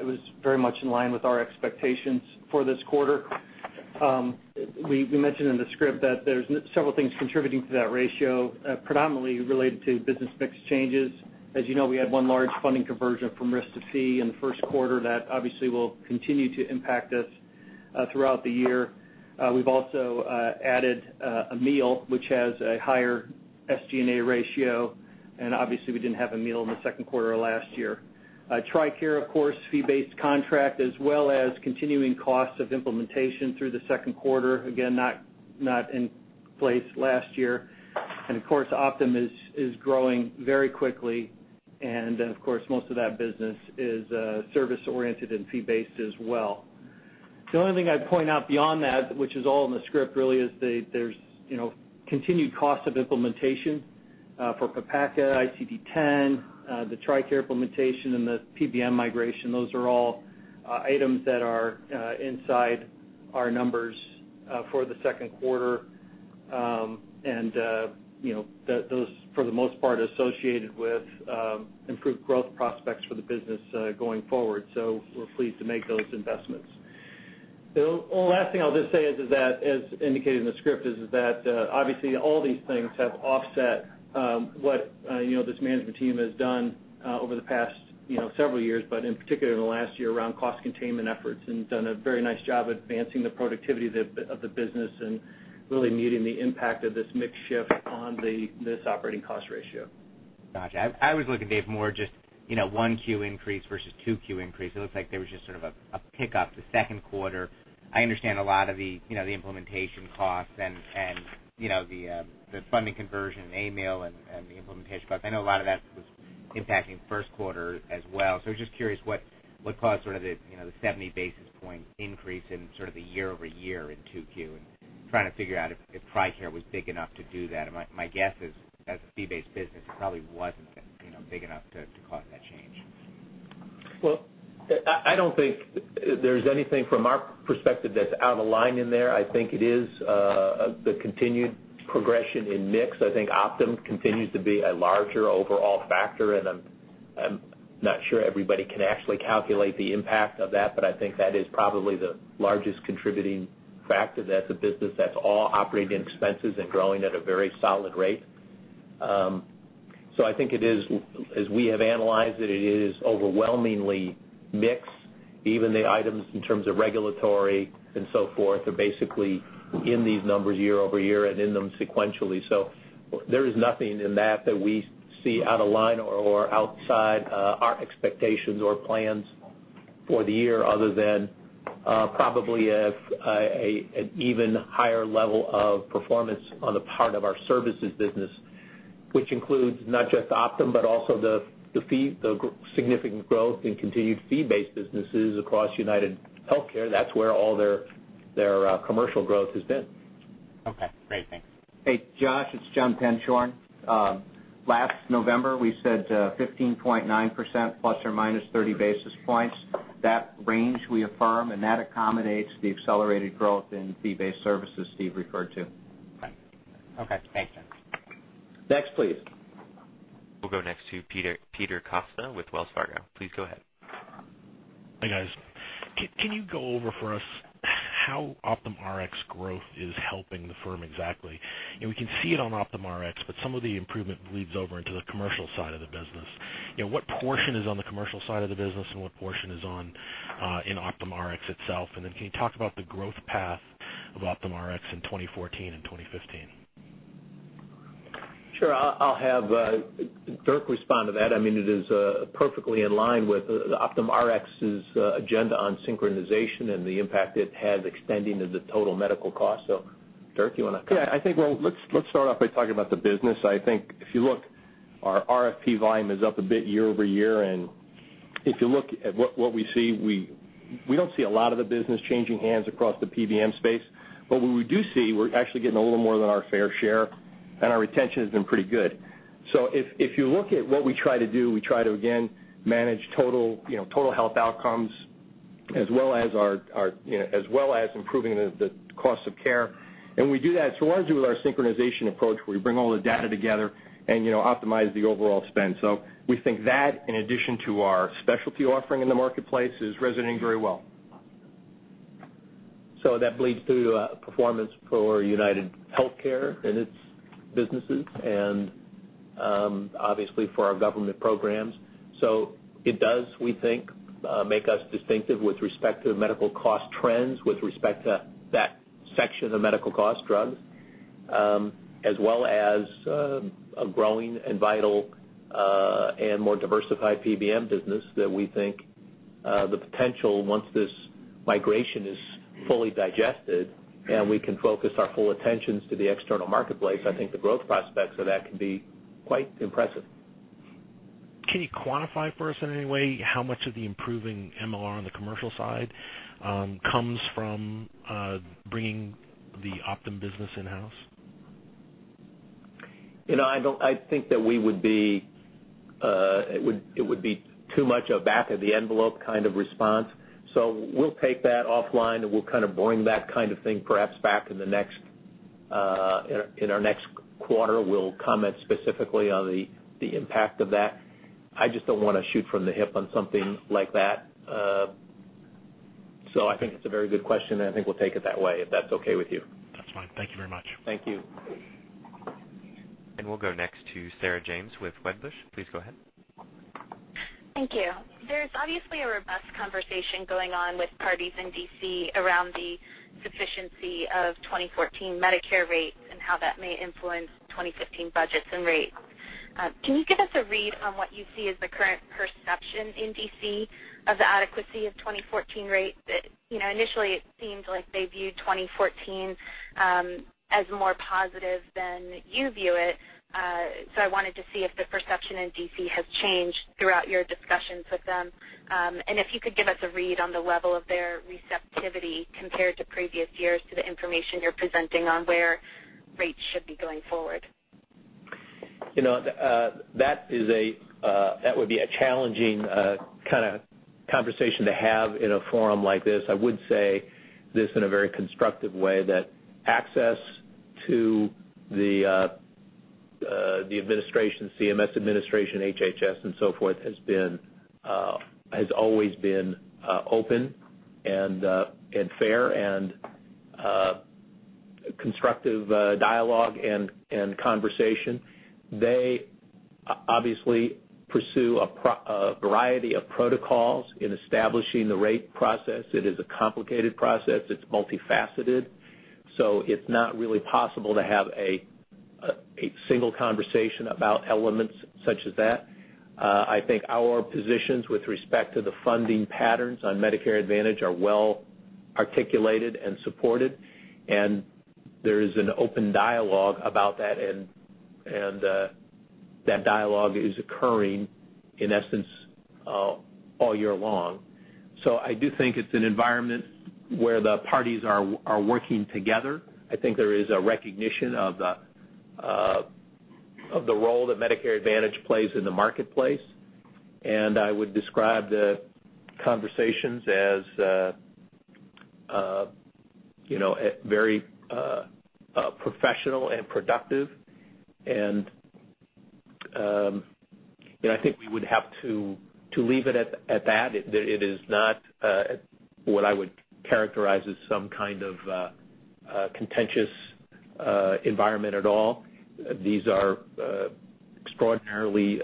It was very much in line with our expectations for this quarter. We mentioned in the script that there's several things contributing to that ratio, predominantly related to business mix changes. As you know, we had one large funding conversion from risk to fee in the first quarter that obviously will continue to impact us throughout the year. We've also added Amil, which has a higher SG&A ratio, and obviously we didn't have Amil in the second quarter of last year. TRICARE, of course, fee-based contract, as well as continuing costs of implementation through the second quarter, again, not in place last year. Of course, Optum is growing very quickly, and then, of course, most of that business is service-oriented and fee-based as well. The only thing I'd point out beyond that, which is all in the script really, is there's continued cost of implementation for PPACA, ICD-10, the TRICARE implementation, and the PBM migration. Those are all items that are inside our numbers for the second quarter. Those, for the most part, are associated with improved growth prospects for the business going forward. We're pleased to make those investments. The last thing I'll just say is that, as indicated in the script, is that obviously all these things have offset what this management team has done over the past several years, but in particular in the last year around cost containment efforts and done a very nice job advancing the productivity of the business and really muting the impact of this mix shift on this operating cost ratio. Got you. I was looking, Dave, more just one Q increase versus two Q increase. It looks like there was just sort of a pickup the second quarter. I understand a lot of the implementation costs and the funding conversion and Amil and the implementation costs. I know a lot of that was impacting first quarter as well. I was just curious what caused sort of the 70 basis point increase in sort of the year-over-year in two Q and trying to figure out if TRICARE was big enough to do that. My guess is, as a fee-based business, it probably wasn't big enough to cause that change. I don't think there's anything from our perspective that's out of line in there. I think it is the continued progression in mix. I think Optum continues to be a larger overall factor, I'm not sure everybody can actually calculate the impact of that, but I think that is probably the largest contributing factor. That's a business that's all operating expenses and growing at a very solid rate. I think as we have analyzed it is overwhelmingly mix. Even the items in terms of regulatory and so forth are basically in these numbers year-over-year and in them sequentially. There is nothing in that we see out of line or outside our expectations or plans for the year, other than probably an even higher level of performance on the part of our services business which includes not just Optum, but also the significant growth in continued fee-based businesses across UnitedHealthcare. That's where all their commercial growth has been. Okay, great. Thanks. Hey, Josh, it's John Penshorn. Last November, we said 15.9%, plus or minus 30 basis points. That range we affirm, and that accommodates the accelerated growth in fee-based services Steve referred to. Okay. Thanks, John. Next, please. We'll go next to Peter Costa with Wells Fargo. Please go ahead. Hi, guys. Can you go over for us how Optum Rx growth is helping the firm exactly? We can see it on Optum Rx, some of the improvement bleeds over into the commercial side of the business. What portion is on the commercial side of the business, and what portion is in Optum Rx itself? Then can you talk about the growth path of Optum Rx in 2014 and 2015? Sure. I'll have Dirk respond to that. It is perfectly in line with OptumRx's agenda on synchronization and the impact it has extending to the total medical cost. Dirk, you want to comment? Yeah. Let's start off by talking about the business. If you look, our RFP volume is up a bit year-over-year, if you look at what we see, we don't see a lot of the business changing hands across the PBM space. What we do see, we're actually getting a little more than our fair share, and our retention has been pretty good. If you look at what we try to do, we try to, again, manage total health outcomes as well as improving the cost of care. We do that through our synchronization approach, where we bring all the data together and optimize the overall spend. We think that, in addition to our specialty offering in the marketplace, is resonating very well. That bleeds through to performance for UnitedHealthcare and its businesses and obviously for our government programs. It does, we think, make us distinctive with respect to medical cost trends, with respect to that section of medical cost, drugs, as well as a growing and vital and more diversified PBM business that we think the potential, once this migration is fully digested and we can focus our full attentions to the external marketplace, I think the growth prospects of that can be quite impressive. Can you quantify for us in any way how much of the improving MR on the commercial side comes from bringing the Optum business in-house? I think that it would be too much a back-of-the-envelope kind of response. We'll take that offline, and we'll bring that kind of thing perhaps back in our next quarter. We'll comment specifically on the impact of that. I just don't want to shoot from the hip on something like that. I think it's a very good question, and I think we'll take it that way, if that's okay with you. That's fine. Thank you very much. Thank you. We'll go next to Sarah James with Wedbush. Please go ahead. Thank you. There's obviously a robust conversation going on with parties in D.C. around the sufficiency of 2014 Medicare rates and how that may influence 2015 budgets and rates. Can you give us a read on what you see as the current perception in D.C. of the adequacy of 2014 rates? Initially, it seemed like they viewed 2014 as more positive than you view it. I wanted to see if the perception in D.C. has changed throughout your discussions with them. If you could give us a read on the level of their receptivity compared to previous years to the information you're presenting on where rates should be going forward. That would be a challenging conversation to have in a forum like this. I would say this in a very constructive way, that access to the administration, CMS administration, HHS, and so forth, has always been open and fair and constructive dialogue and conversation. They obviously pursue a variety of protocols in establishing the rate process. It is a complicated process. It's multifaceted. It's not really possible to have a single conversation about elements such as that. I think our positions with respect to the funding patterns on Medicare Advantage are well-articulated and supported, and there is an open dialogue about that, and that dialogue is occurring, in essence, all year long. I do think it's an environment where the parties are working together. I think there is a recognition of the role that Medicare Advantage plays in the marketplace. I would describe the conversations as very professional and productive. I think we would have to leave it at that. It is not what I would characterize as some kind of contentious environment at all. These are extraordinarily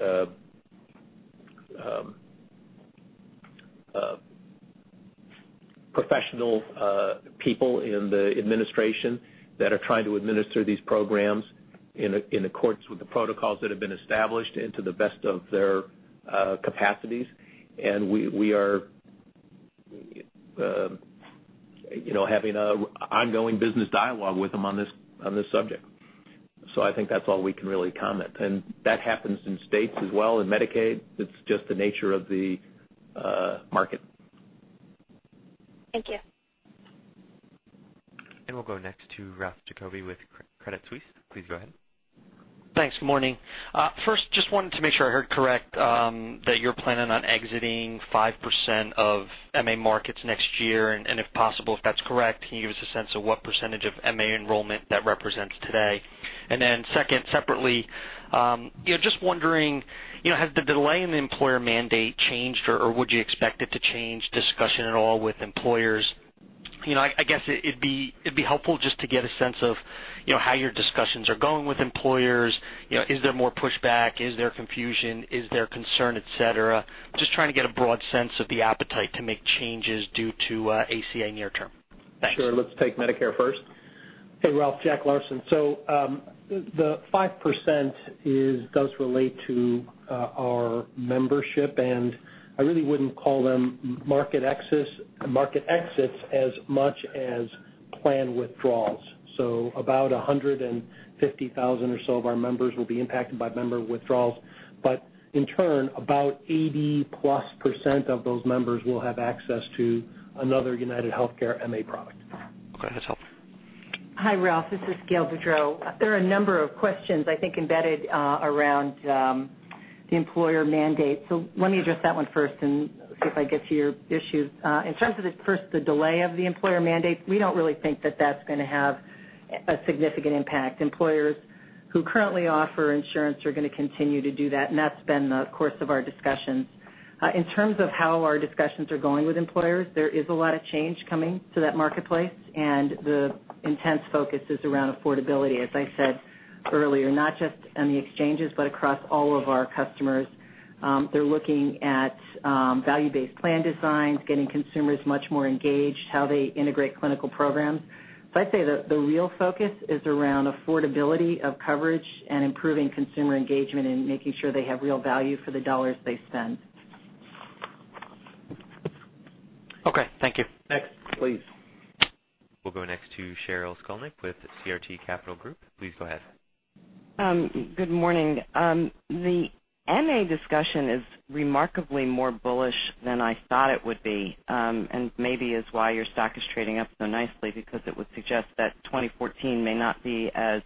professional people in the administration that are trying to administer these programs in accordance with the protocols that have been established and to the best of their capacities. We are having an ongoing business dialogue with them on this subject. I think that's all we can really comment. That happens in states as well, in Medicaid. It's just the nature of the market. Thank you. We'll go next to Ralph Giacobbe with Credit Suisse. Please go ahead. Thanks. Morning. First, just wanted to make sure I heard correct, that you're planning on exiting 5% of MA markets next year, and if possible, if that's correct, can you give us a sense of what percentage of MA enrollment that represents today? Then second, separately, just wondering, has the delay in the employer mandate changed or would you expect it to change discussion at all with employers? I guess it'd be helpful just to get a sense of how your discussions are going with employers. Is there more pushback? Is there confusion? Is there concern, et cetera? Just trying to get a broad sense of the appetite to make changes due to ACA near term. Thanks. Sure. Let's take Medicare first. Hey, Ralph, Jack Larsen. The 5% does relate to our membership, and I really wouldn't call them market exits as much as plan withdrawals. About 150,000 or so of our members will be impacted by member withdrawals. In turn, about 80-plus % of those members will have access to another UnitedHealthcare MA product. Okay, that's helpful. Hi, Ralph. This is Gail Boudreaux. There are a number of questions, I think, embedded around the employer mandate. Let me address that one first and see if I get to your issues. In terms of the delay of the employer mandate, we don't really think that that's going to have a significant impact. Employers who currently offer insurance are going to continue to do that, and that's been the course of our discussions. In terms of how our discussions are going with employers, there is a lot of change coming to that marketplace, and the intense focus is around affordability, as I said earlier, not just on the exchanges, but across all of our customers. They're looking at value-based plan designs, getting consumers much more engaged, how they integrate clinical programs. I'd say the real focus is around affordability of coverage and improving consumer engagement and making sure they have real value for the dollars they spend. Okay. Thank you. Next, please. We'll go next to Sheryl Skolnick with CRT Capital Group. Please go ahead. Good morning. The MA discussion is remarkably more bullish than I thought it would be. Maybe is why your stock is trading up so nicely, because it would suggest that 2014 may not be as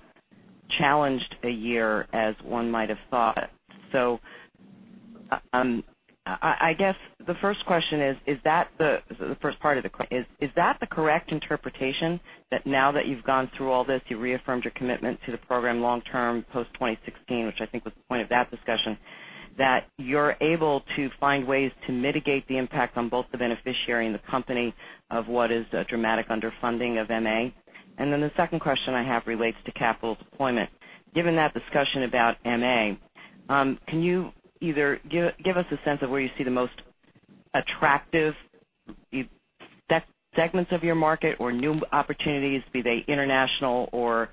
challenged a year as one might have thought. I guess the first part of the question is that the correct interpretation, that now that you've gone through all this, you reaffirmed your commitment to the program long term, post-2016, which I think was the point of that discussion, that you're able to find ways to mitigate the impact on both the beneficiary and the company of what is a dramatic underfunding of MA? The second question I have relates to capital deployment. Given that discussion about MA, can you either give us a sense of where you see the most attractive segments of your market or new opportunities, be they international or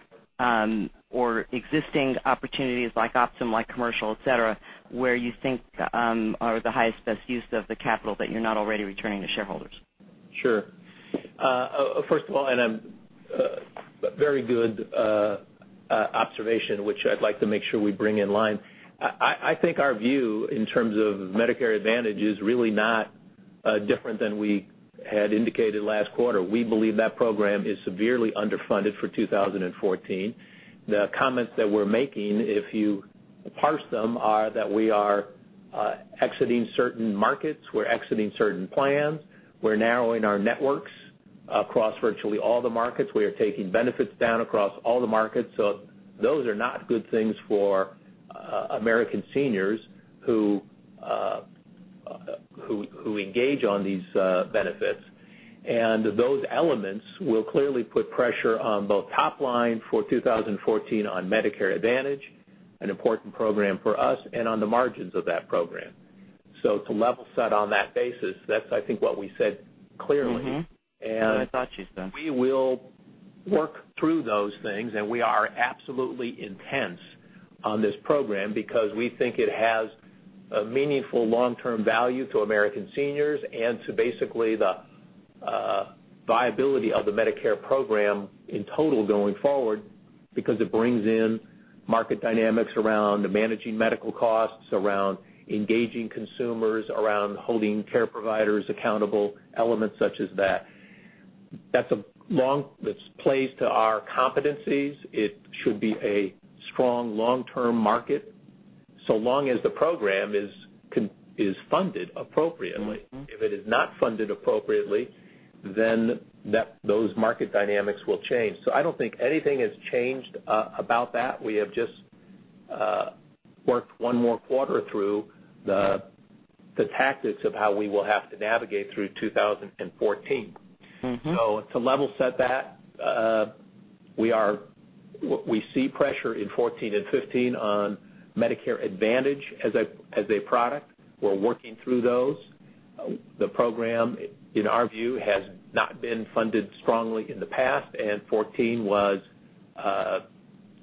existing opportunities like Optum, like commercial, et cetera, where you think are the highest, best use of the capital that you're not already returning to shareholders? Sure. First of all, very good observation, which I'd like to make sure we bring in line. I think our view in terms of Medicare Advantage is really not different than we had indicated last quarter. We believe that program is severely underfunded for 2014. The comments that we're making, if you parse them, are that we are exiting certain markets, we're exiting certain plans. We're narrowing our networks across virtually all the markets. We are taking benefits down across all the markets. Those are not good things for American seniors who engage on these benefits. Those elements will clearly put pressure on both top line for 2014 on Medicare Advantage, an important program for us, and on the margins of that program. To level set on that basis, that's, I think, what we said clearly. That's what I thought you said. We will work through those things, we are absolutely intense on this program because we think it has a meaningful long-term value to American seniors and to basically the viability of the Medicare program in total going forward because it brings in market dynamics around managing medical costs, around engaging consumers, around holding care providers accountable, elements such as that. That plays to our competencies. It should be a strong long-term market, so long as the program is funded appropriately. If it is not funded appropriately, those market dynamics will change. I don't think anything has changed about that. We have just worked one more quarter through the tactics of how we will have to navigate through 2014. To level set that, we see pressure in 2014 and 2015 on Medicare Advantage as a product. We're working through those. The program, in our view, has not been funded strongly in the past, 2014 was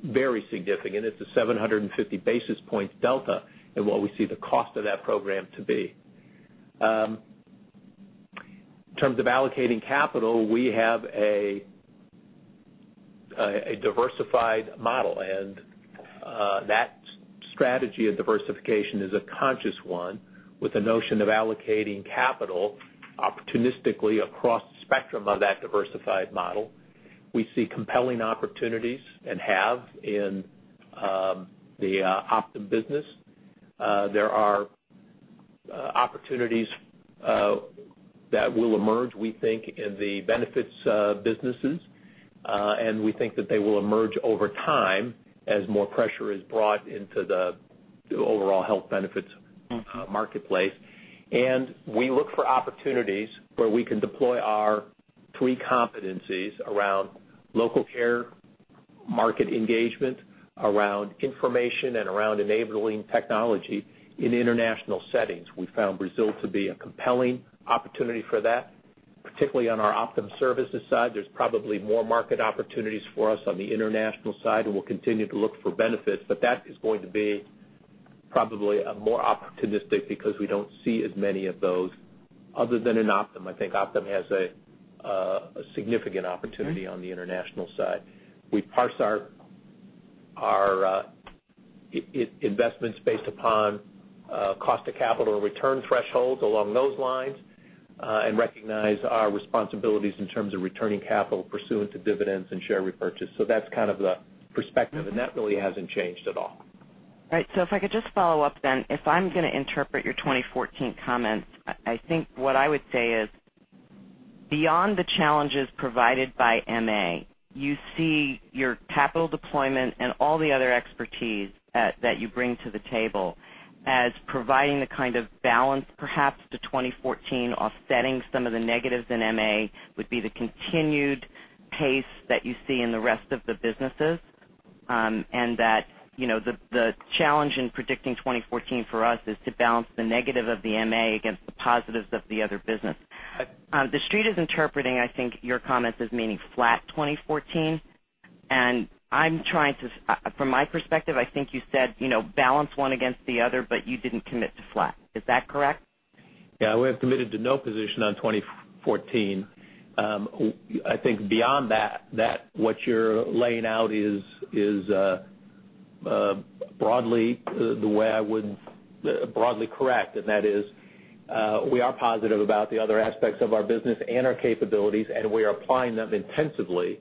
Very significant. It's a 750 basis point delta in what we see the cost of that program to be. In terms of allocating capital, we have a diversified model, that strategy of diversification is a conscious one with a notion of allocating capital opportunistically across the spectrum of that diversified model. We see compelling opportunities and have in the Optum business. There are opportunities that will emerge, we think, in the benefits businesses, we think that they will emerge over time as more pressure is brought into the overall health benefits marketplace. We look for opportunities where we can deploy our three competencies around local care, market engagement, around information, and around enabling technology in international settings. We found Brazil to be a compelling opportunity for that, particularly on our Optum services side. There's probably more market opportunities for us on the international side, we'll continue to look for benefits, that is going to be probably more opportunistic because we don't see as many of those other than in Optum. I think Optum has a significant opportunity on the international side. We parse our investments based upon cost of capital or return thresholds along those lines, recognize our responsibilities in terms of returning capital pursuant to dividends and share repurchase. That's kind of the perspective, that really hasn't changed at all. Right. If I could just follow up then. If I'm going to interpret your 2014 comments, I think what I would say is, beyond the challenges provided by MA, you see your capital deployment and all the other expertise that you bring to the table as providing the kind of balance, perhaps, to 2014, offsetting some of the negatives in MA, would be the continued pace that you see in the rest of the businesses, and that the challenge in predicting 2014 for us is to balance the negative of the MA against the positives of the other business. Right. The Street is interpreting, I think, your comments as meaning flat 2014, and from my perspective, I think you said balance one against the other, but you didn't commit to flat. Is that correct? Yeah. We have committed to no position on 2014. I think beyond that, what you're laying out is broadly correct, and that is, we are positive about the other aspects of our business and our capabilities, and we are applying them intensively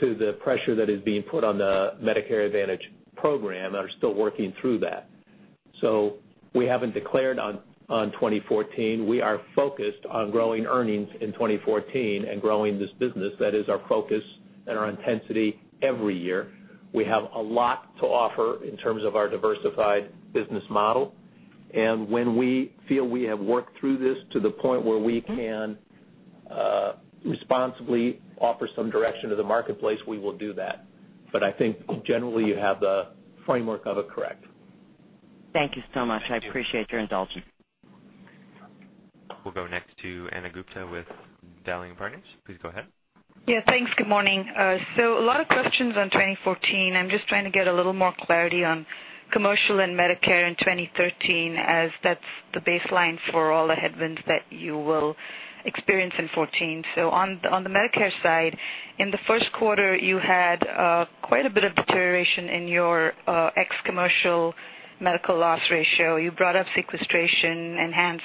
to the pressure that is being put on the Medicare Advantage program, and are still working through that. We haven't declared on 2014. We are focused on growing earnings in 2014 and growing this business. That is our focus and our intensity every year. We have a lot to offer in terms of our diversified business model. When we feel we have worked through this to the point where we can responsibly offer some direction to the marketplace, we will do that. I think generally you have the framework of it correct. Thank you so much. Thank you. I appreciate your indulgence. We'll go next to Ana Gupte with Leerink Partners. Please go ahead. Yeah, thanks. Good morning. A lot of questions on 2014. I'm just trying to get a little more clarity on commercial and Medicare in 2013, as that's the baseline for all the headwinds that you will experience in 2014. On the Medicare side, in the first quarter, you had quite a bit of deterioration in your ex commercial medical loss ratio. You brought up sequestration, enhanced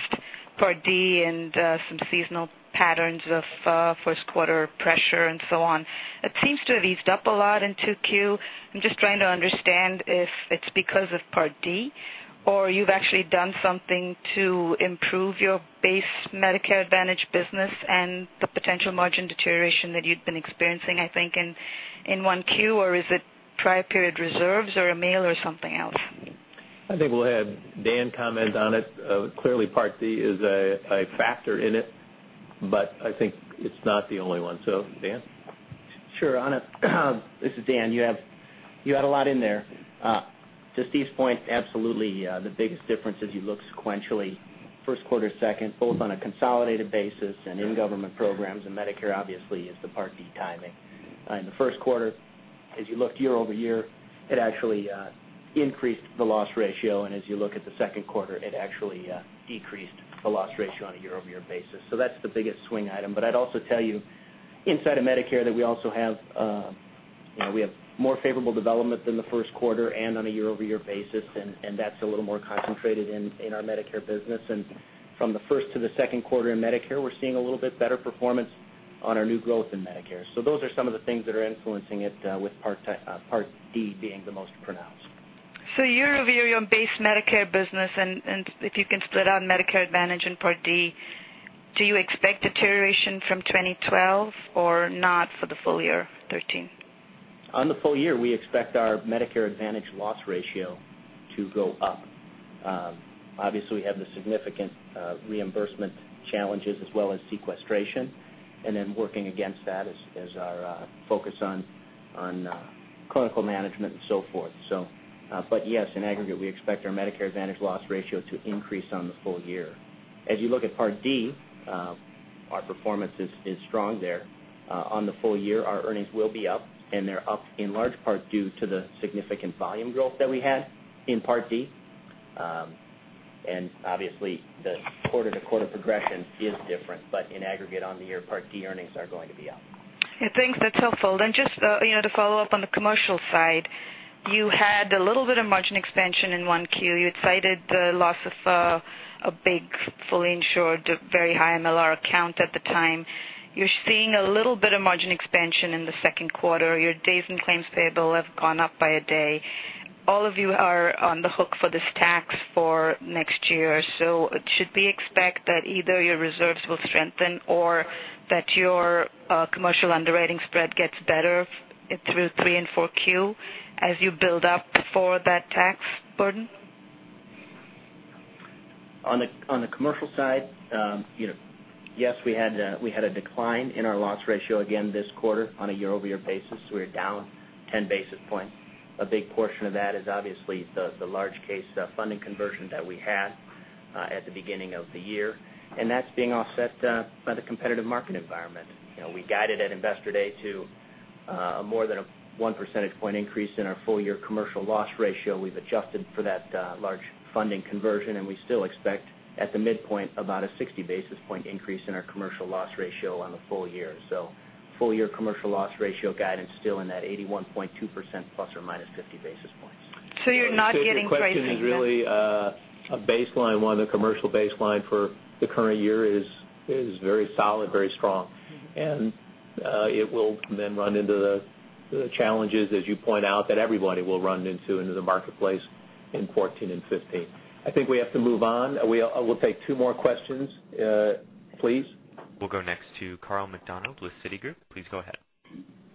Part D, and some seasonal patterns of first quarter pressure and so on. It seems to have eased up a lot in 2Q. I'm just trying to understand if it's because of Part D or you've actually done something to improve your base Medicare Advantage business and the potential margin deterioration that you'd been experiencing, I think, in 1Q, or is it prior period reserves or Amil or something else? I think we'll have Dan comment on it. Clearly, Part D is a factor in it, but I think it's not the only one. Dan? Sure, Ana. This is Dan. You had a lot in there. To Steve's point, absolutely, the biggest difference as you look sequentially, first quarter, second, both on a consolidated basis and in government programs, and Medicare obviously is the Part D timing. In the first quarter, as you looked year-over-year, it actually increased the loss ratio, and as you look at the second quarter, it actually decreased the loss ratio on a year-over-year basis. That's the biggest swing item. I'd also tell you, inside of Medicare that we also have more favorable development than the first quarter and on a year-over-year basis, and that's a little more concentrated in our Medicare business. From the first to the second quarter in Medicare, we're seeing a little bit better performance on our new growth in Medicare. Those are some of the things that are influencing it with Part D being the most pronounced. Year-over-year on base Medicare business, and if you can split out Medicare Advantage and Part D, do you expect deterioration from 2012 or not for the full year 2013? On the full year, we expect our Medicare Advantage loss ratio to go up. Obviously, we have the significant reimbursement challenges as well as sequestration, then working against that is our focus on clinical management and so forth. Yes, in aggregate, we expect our Medicare Advantage loss ratio to increase on the full year. As you look at Part D, our performance is strong there. On the full year, our earnings will be up, and they're up in large part due to the significant volume growth that we had in Part D. Obviously the quarter-to-quarter progression is different, but in aggregate, on the year, Part D earnings are going to be up. Yeah, thanks. That's helpful. Just to follow up on the commercial side, you had a little bit of margin expansion in 1Q. You had cited the loss of a big fully insured, very high MLR account at the time. You're seeing a little bit of margin expansion in the second quarter. Your days in claims payable have gone up by a day. All of you are on the hook for this tax for next year. Should we expect that either your reserves will strengthen or that your commercial underwriting spread gets better through 3 and 4Q as you build up for that tax burden? On the commercial side, yes, we had a decline in our loss ratio again this quarter on a year-over-year basis. We were down 10 basis points. A big portion of that is obviously the large case funding conversion that we had at the beginning of the year, that's being offset by the competitive market environment. We guided at Investor Day to more than a 1 percentage point increase in our full-year commercial loss ratio. We've adjusted for that large funding conversion, we still expect at the midpoint about a 60 basis point increase in our commercial loss ratio on the full year. Full year commercial loss ratio guidance still in that 81.2% ±50 basis points. You're not getting pricing yet? I think your question is really a baseline one. The commercial baseline for the current year is very solid, very strong. It will then run into the challenges, as you point out, that everybody will run into in the marketplace in 2014 and 2015. I think we have to move on. We'll take two more questions. Please. We'll go next to Carl McDonald with Citigroup. Please go ahead.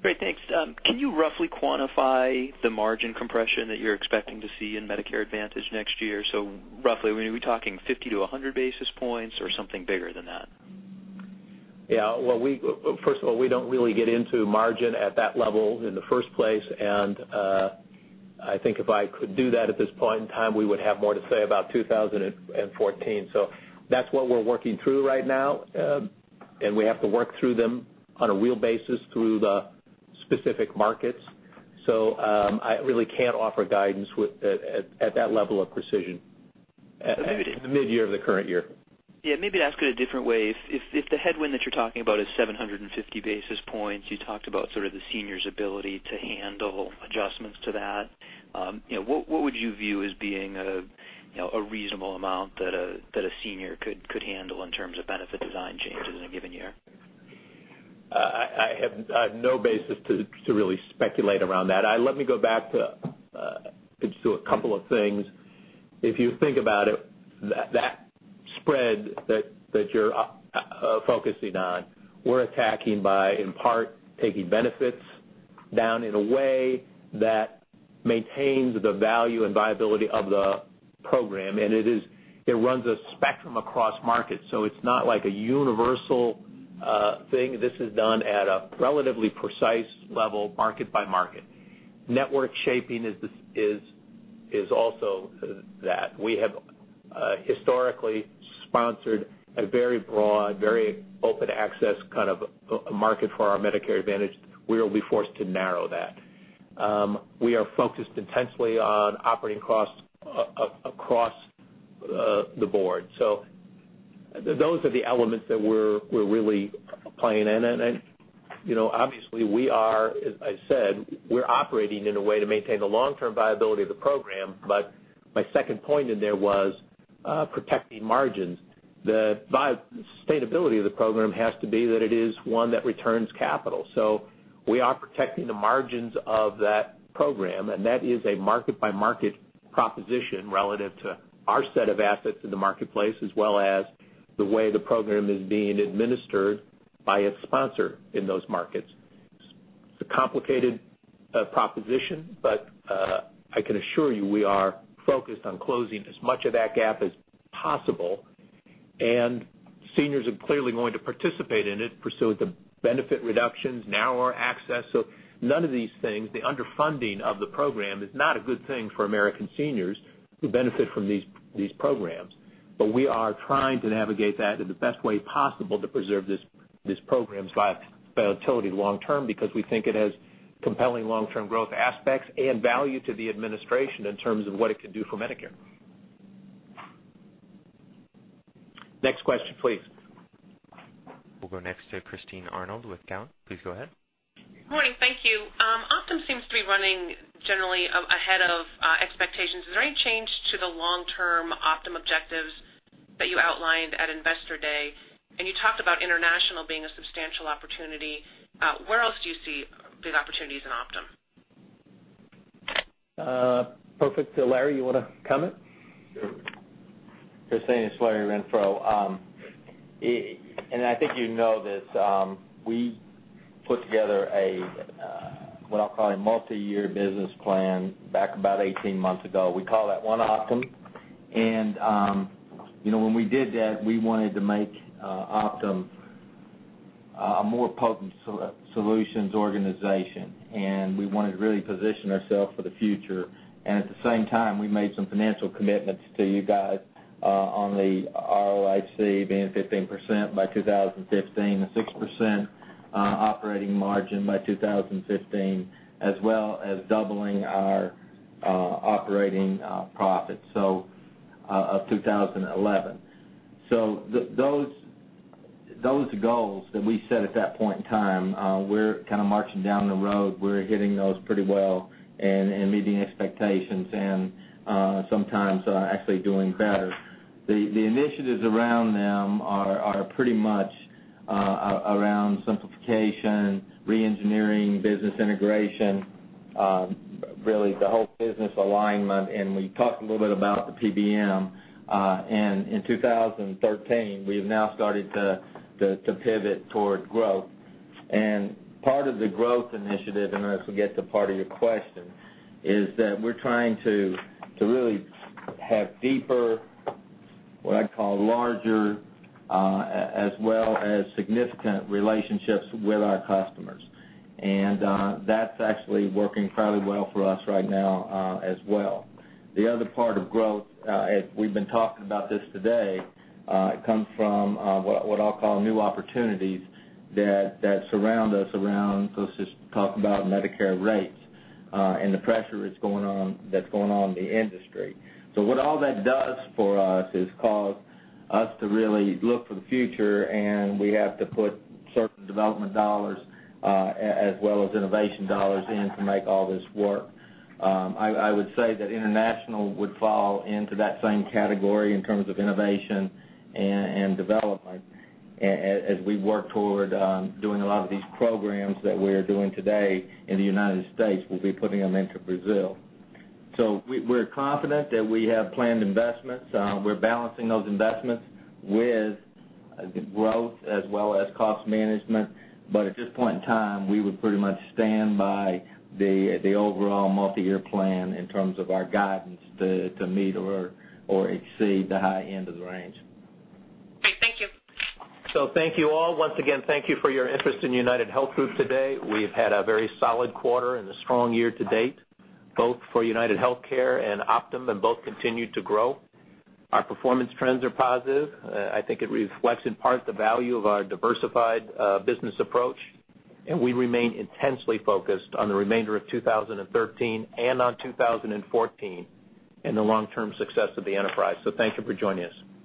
Great, thanks. Can you roughly quantify the margin compression that you're expecting to see in Medicare Advantage next year? Roughly, are we talking 50-100 basis points or something bigger than that? Yeah. First of all, we don't really get into margin at that level in the first place. I think if I could do that at this point in time, we would have more to say about 2014. That's what we're working through right now. We have to work through them on a real basis through the specific markets. I really can't offer guidance at that level of precision in the mid-year of the current year. Yeah, maybe to ask it a different way. If the headwind that you're talking about is 750 basis points, you talked about sort of the seniors' ability to handle adjustments to that. What would you view as being a reasonable amount that a senior could handle in terms of benefit design changes in a given year? I have no basis to really speculate around that. Let me go back to just a couple of things. If you think about it, that spread that you're focusing on, we're attacking by, in part, taking benefits down in a way that maintains the value and viability of the program. It runs a spectrum across markets. It's not like a universal thing. This is done at a relatively precise level, market by market. Network shaping is also that. We have historically sponsored a very broad, very open access kind of market for our Medicare Advantage. We will be forced to narrow that. We are focused intensely on operating costs across the board. Those are the elements that we're really playing in. Obviously we are, as I said, we're operating in a way to maintain the long-term viability of the program. My second point in there was protecting margins. The sustainability of the program has to be that it is one that returns capital. We are protecting the margins of that program, that is a market-by-market proposition relative to our set of assets in the marketplace, as well as the way the program is being administered by its sponsor in those markets. It's a complicated proposition, I can assure you, we are focused on closing as much of that gap as possible, seniors are clearly going to participate in it pursuant to benefit reductions, narrower access. None of these things, the underfunding of the program is not a good thing for American seniors who benefit from these programs. We are trying to navigate that in the best way possible to preserve this program's viability long term, because we think it has compelling long-term growth aspects and value to the administration in terms of what it can do for Medicare. Next question, please. We'll go next to Christine Arnold with Cowen. Please go ahead. Morning. Thank you. Optum seems to be running generally ahead of expectations. Is there any change to the long-term Optum objectives that you outlined at Investor Day? You talked about international being a substantial opportunity. Where else do you see big opportunities in Optum? Perfect. Larry, you want to comment? Sure. Christine, it's Larry Renfro. I think you know this, we put together a what I'll call a multi-year business plan back about 18 months ago. We call that One Optum. When we did that, we wanted to make Optum A more potent solutions organization. We wanted to really position ourselves for the future. At the same time, we made some financial commitments to you guys on the ROIC being 15% by 2015, a 6% operating margin by 2015, as well as doubling our operating profits of 2011. Those goals that we set at that point in time, we're kind of marching down the road, we're hitting those pretty well and meeting expectations and sometimes actually doing better. The initiatives around them are pretty much around simplification, re-engineering, business integration, really the whole business alignment, and we talked a little bit about the PBM. In 2013, we've now started to pivot toward growth. Part of the growth initiative, and I forget the part of your question, is that we're trying to really have deeper, what I'd call larger, as well as significant relationships with our customers. That's actually working fairly well for us right now as well. The other part of growth, we've been talking about this today, comes from what I'll call new opportunities that surround us around, let's just talk about Medicare rates and the pressure that's going on in the industry. What all that does for us is cause us to really look for the future, and we have to put certain development dollars as well as innovation dollars in to make all this work. I would say that international would fall into that same category in terms of innovation and development, as we work toward doing a lot of these programs that we're doing today in the United States, we'll be putting them into Brazil. We're confident that we have planned investments. We're balancing those investments with growth as well as cost management. At this point in time, we would pretty much stand by the overall multi-year plan in terms of our guidance to meet or exceed the high end of the range. Great. Thank you. Thank you all. Once again, thank you for your interest in UnitedHealth Group today. We've had a very solid quarter and a strong year to date, both for UnitedHealthcare and Optum, and both continue to grow. Our performance trends are positive. I think it reflects in part the value of our diversified business approach, and we remain intensely focused on the remainder of 2013 and on 2014 and the long-term success of the enterprise. Thank you for joining us.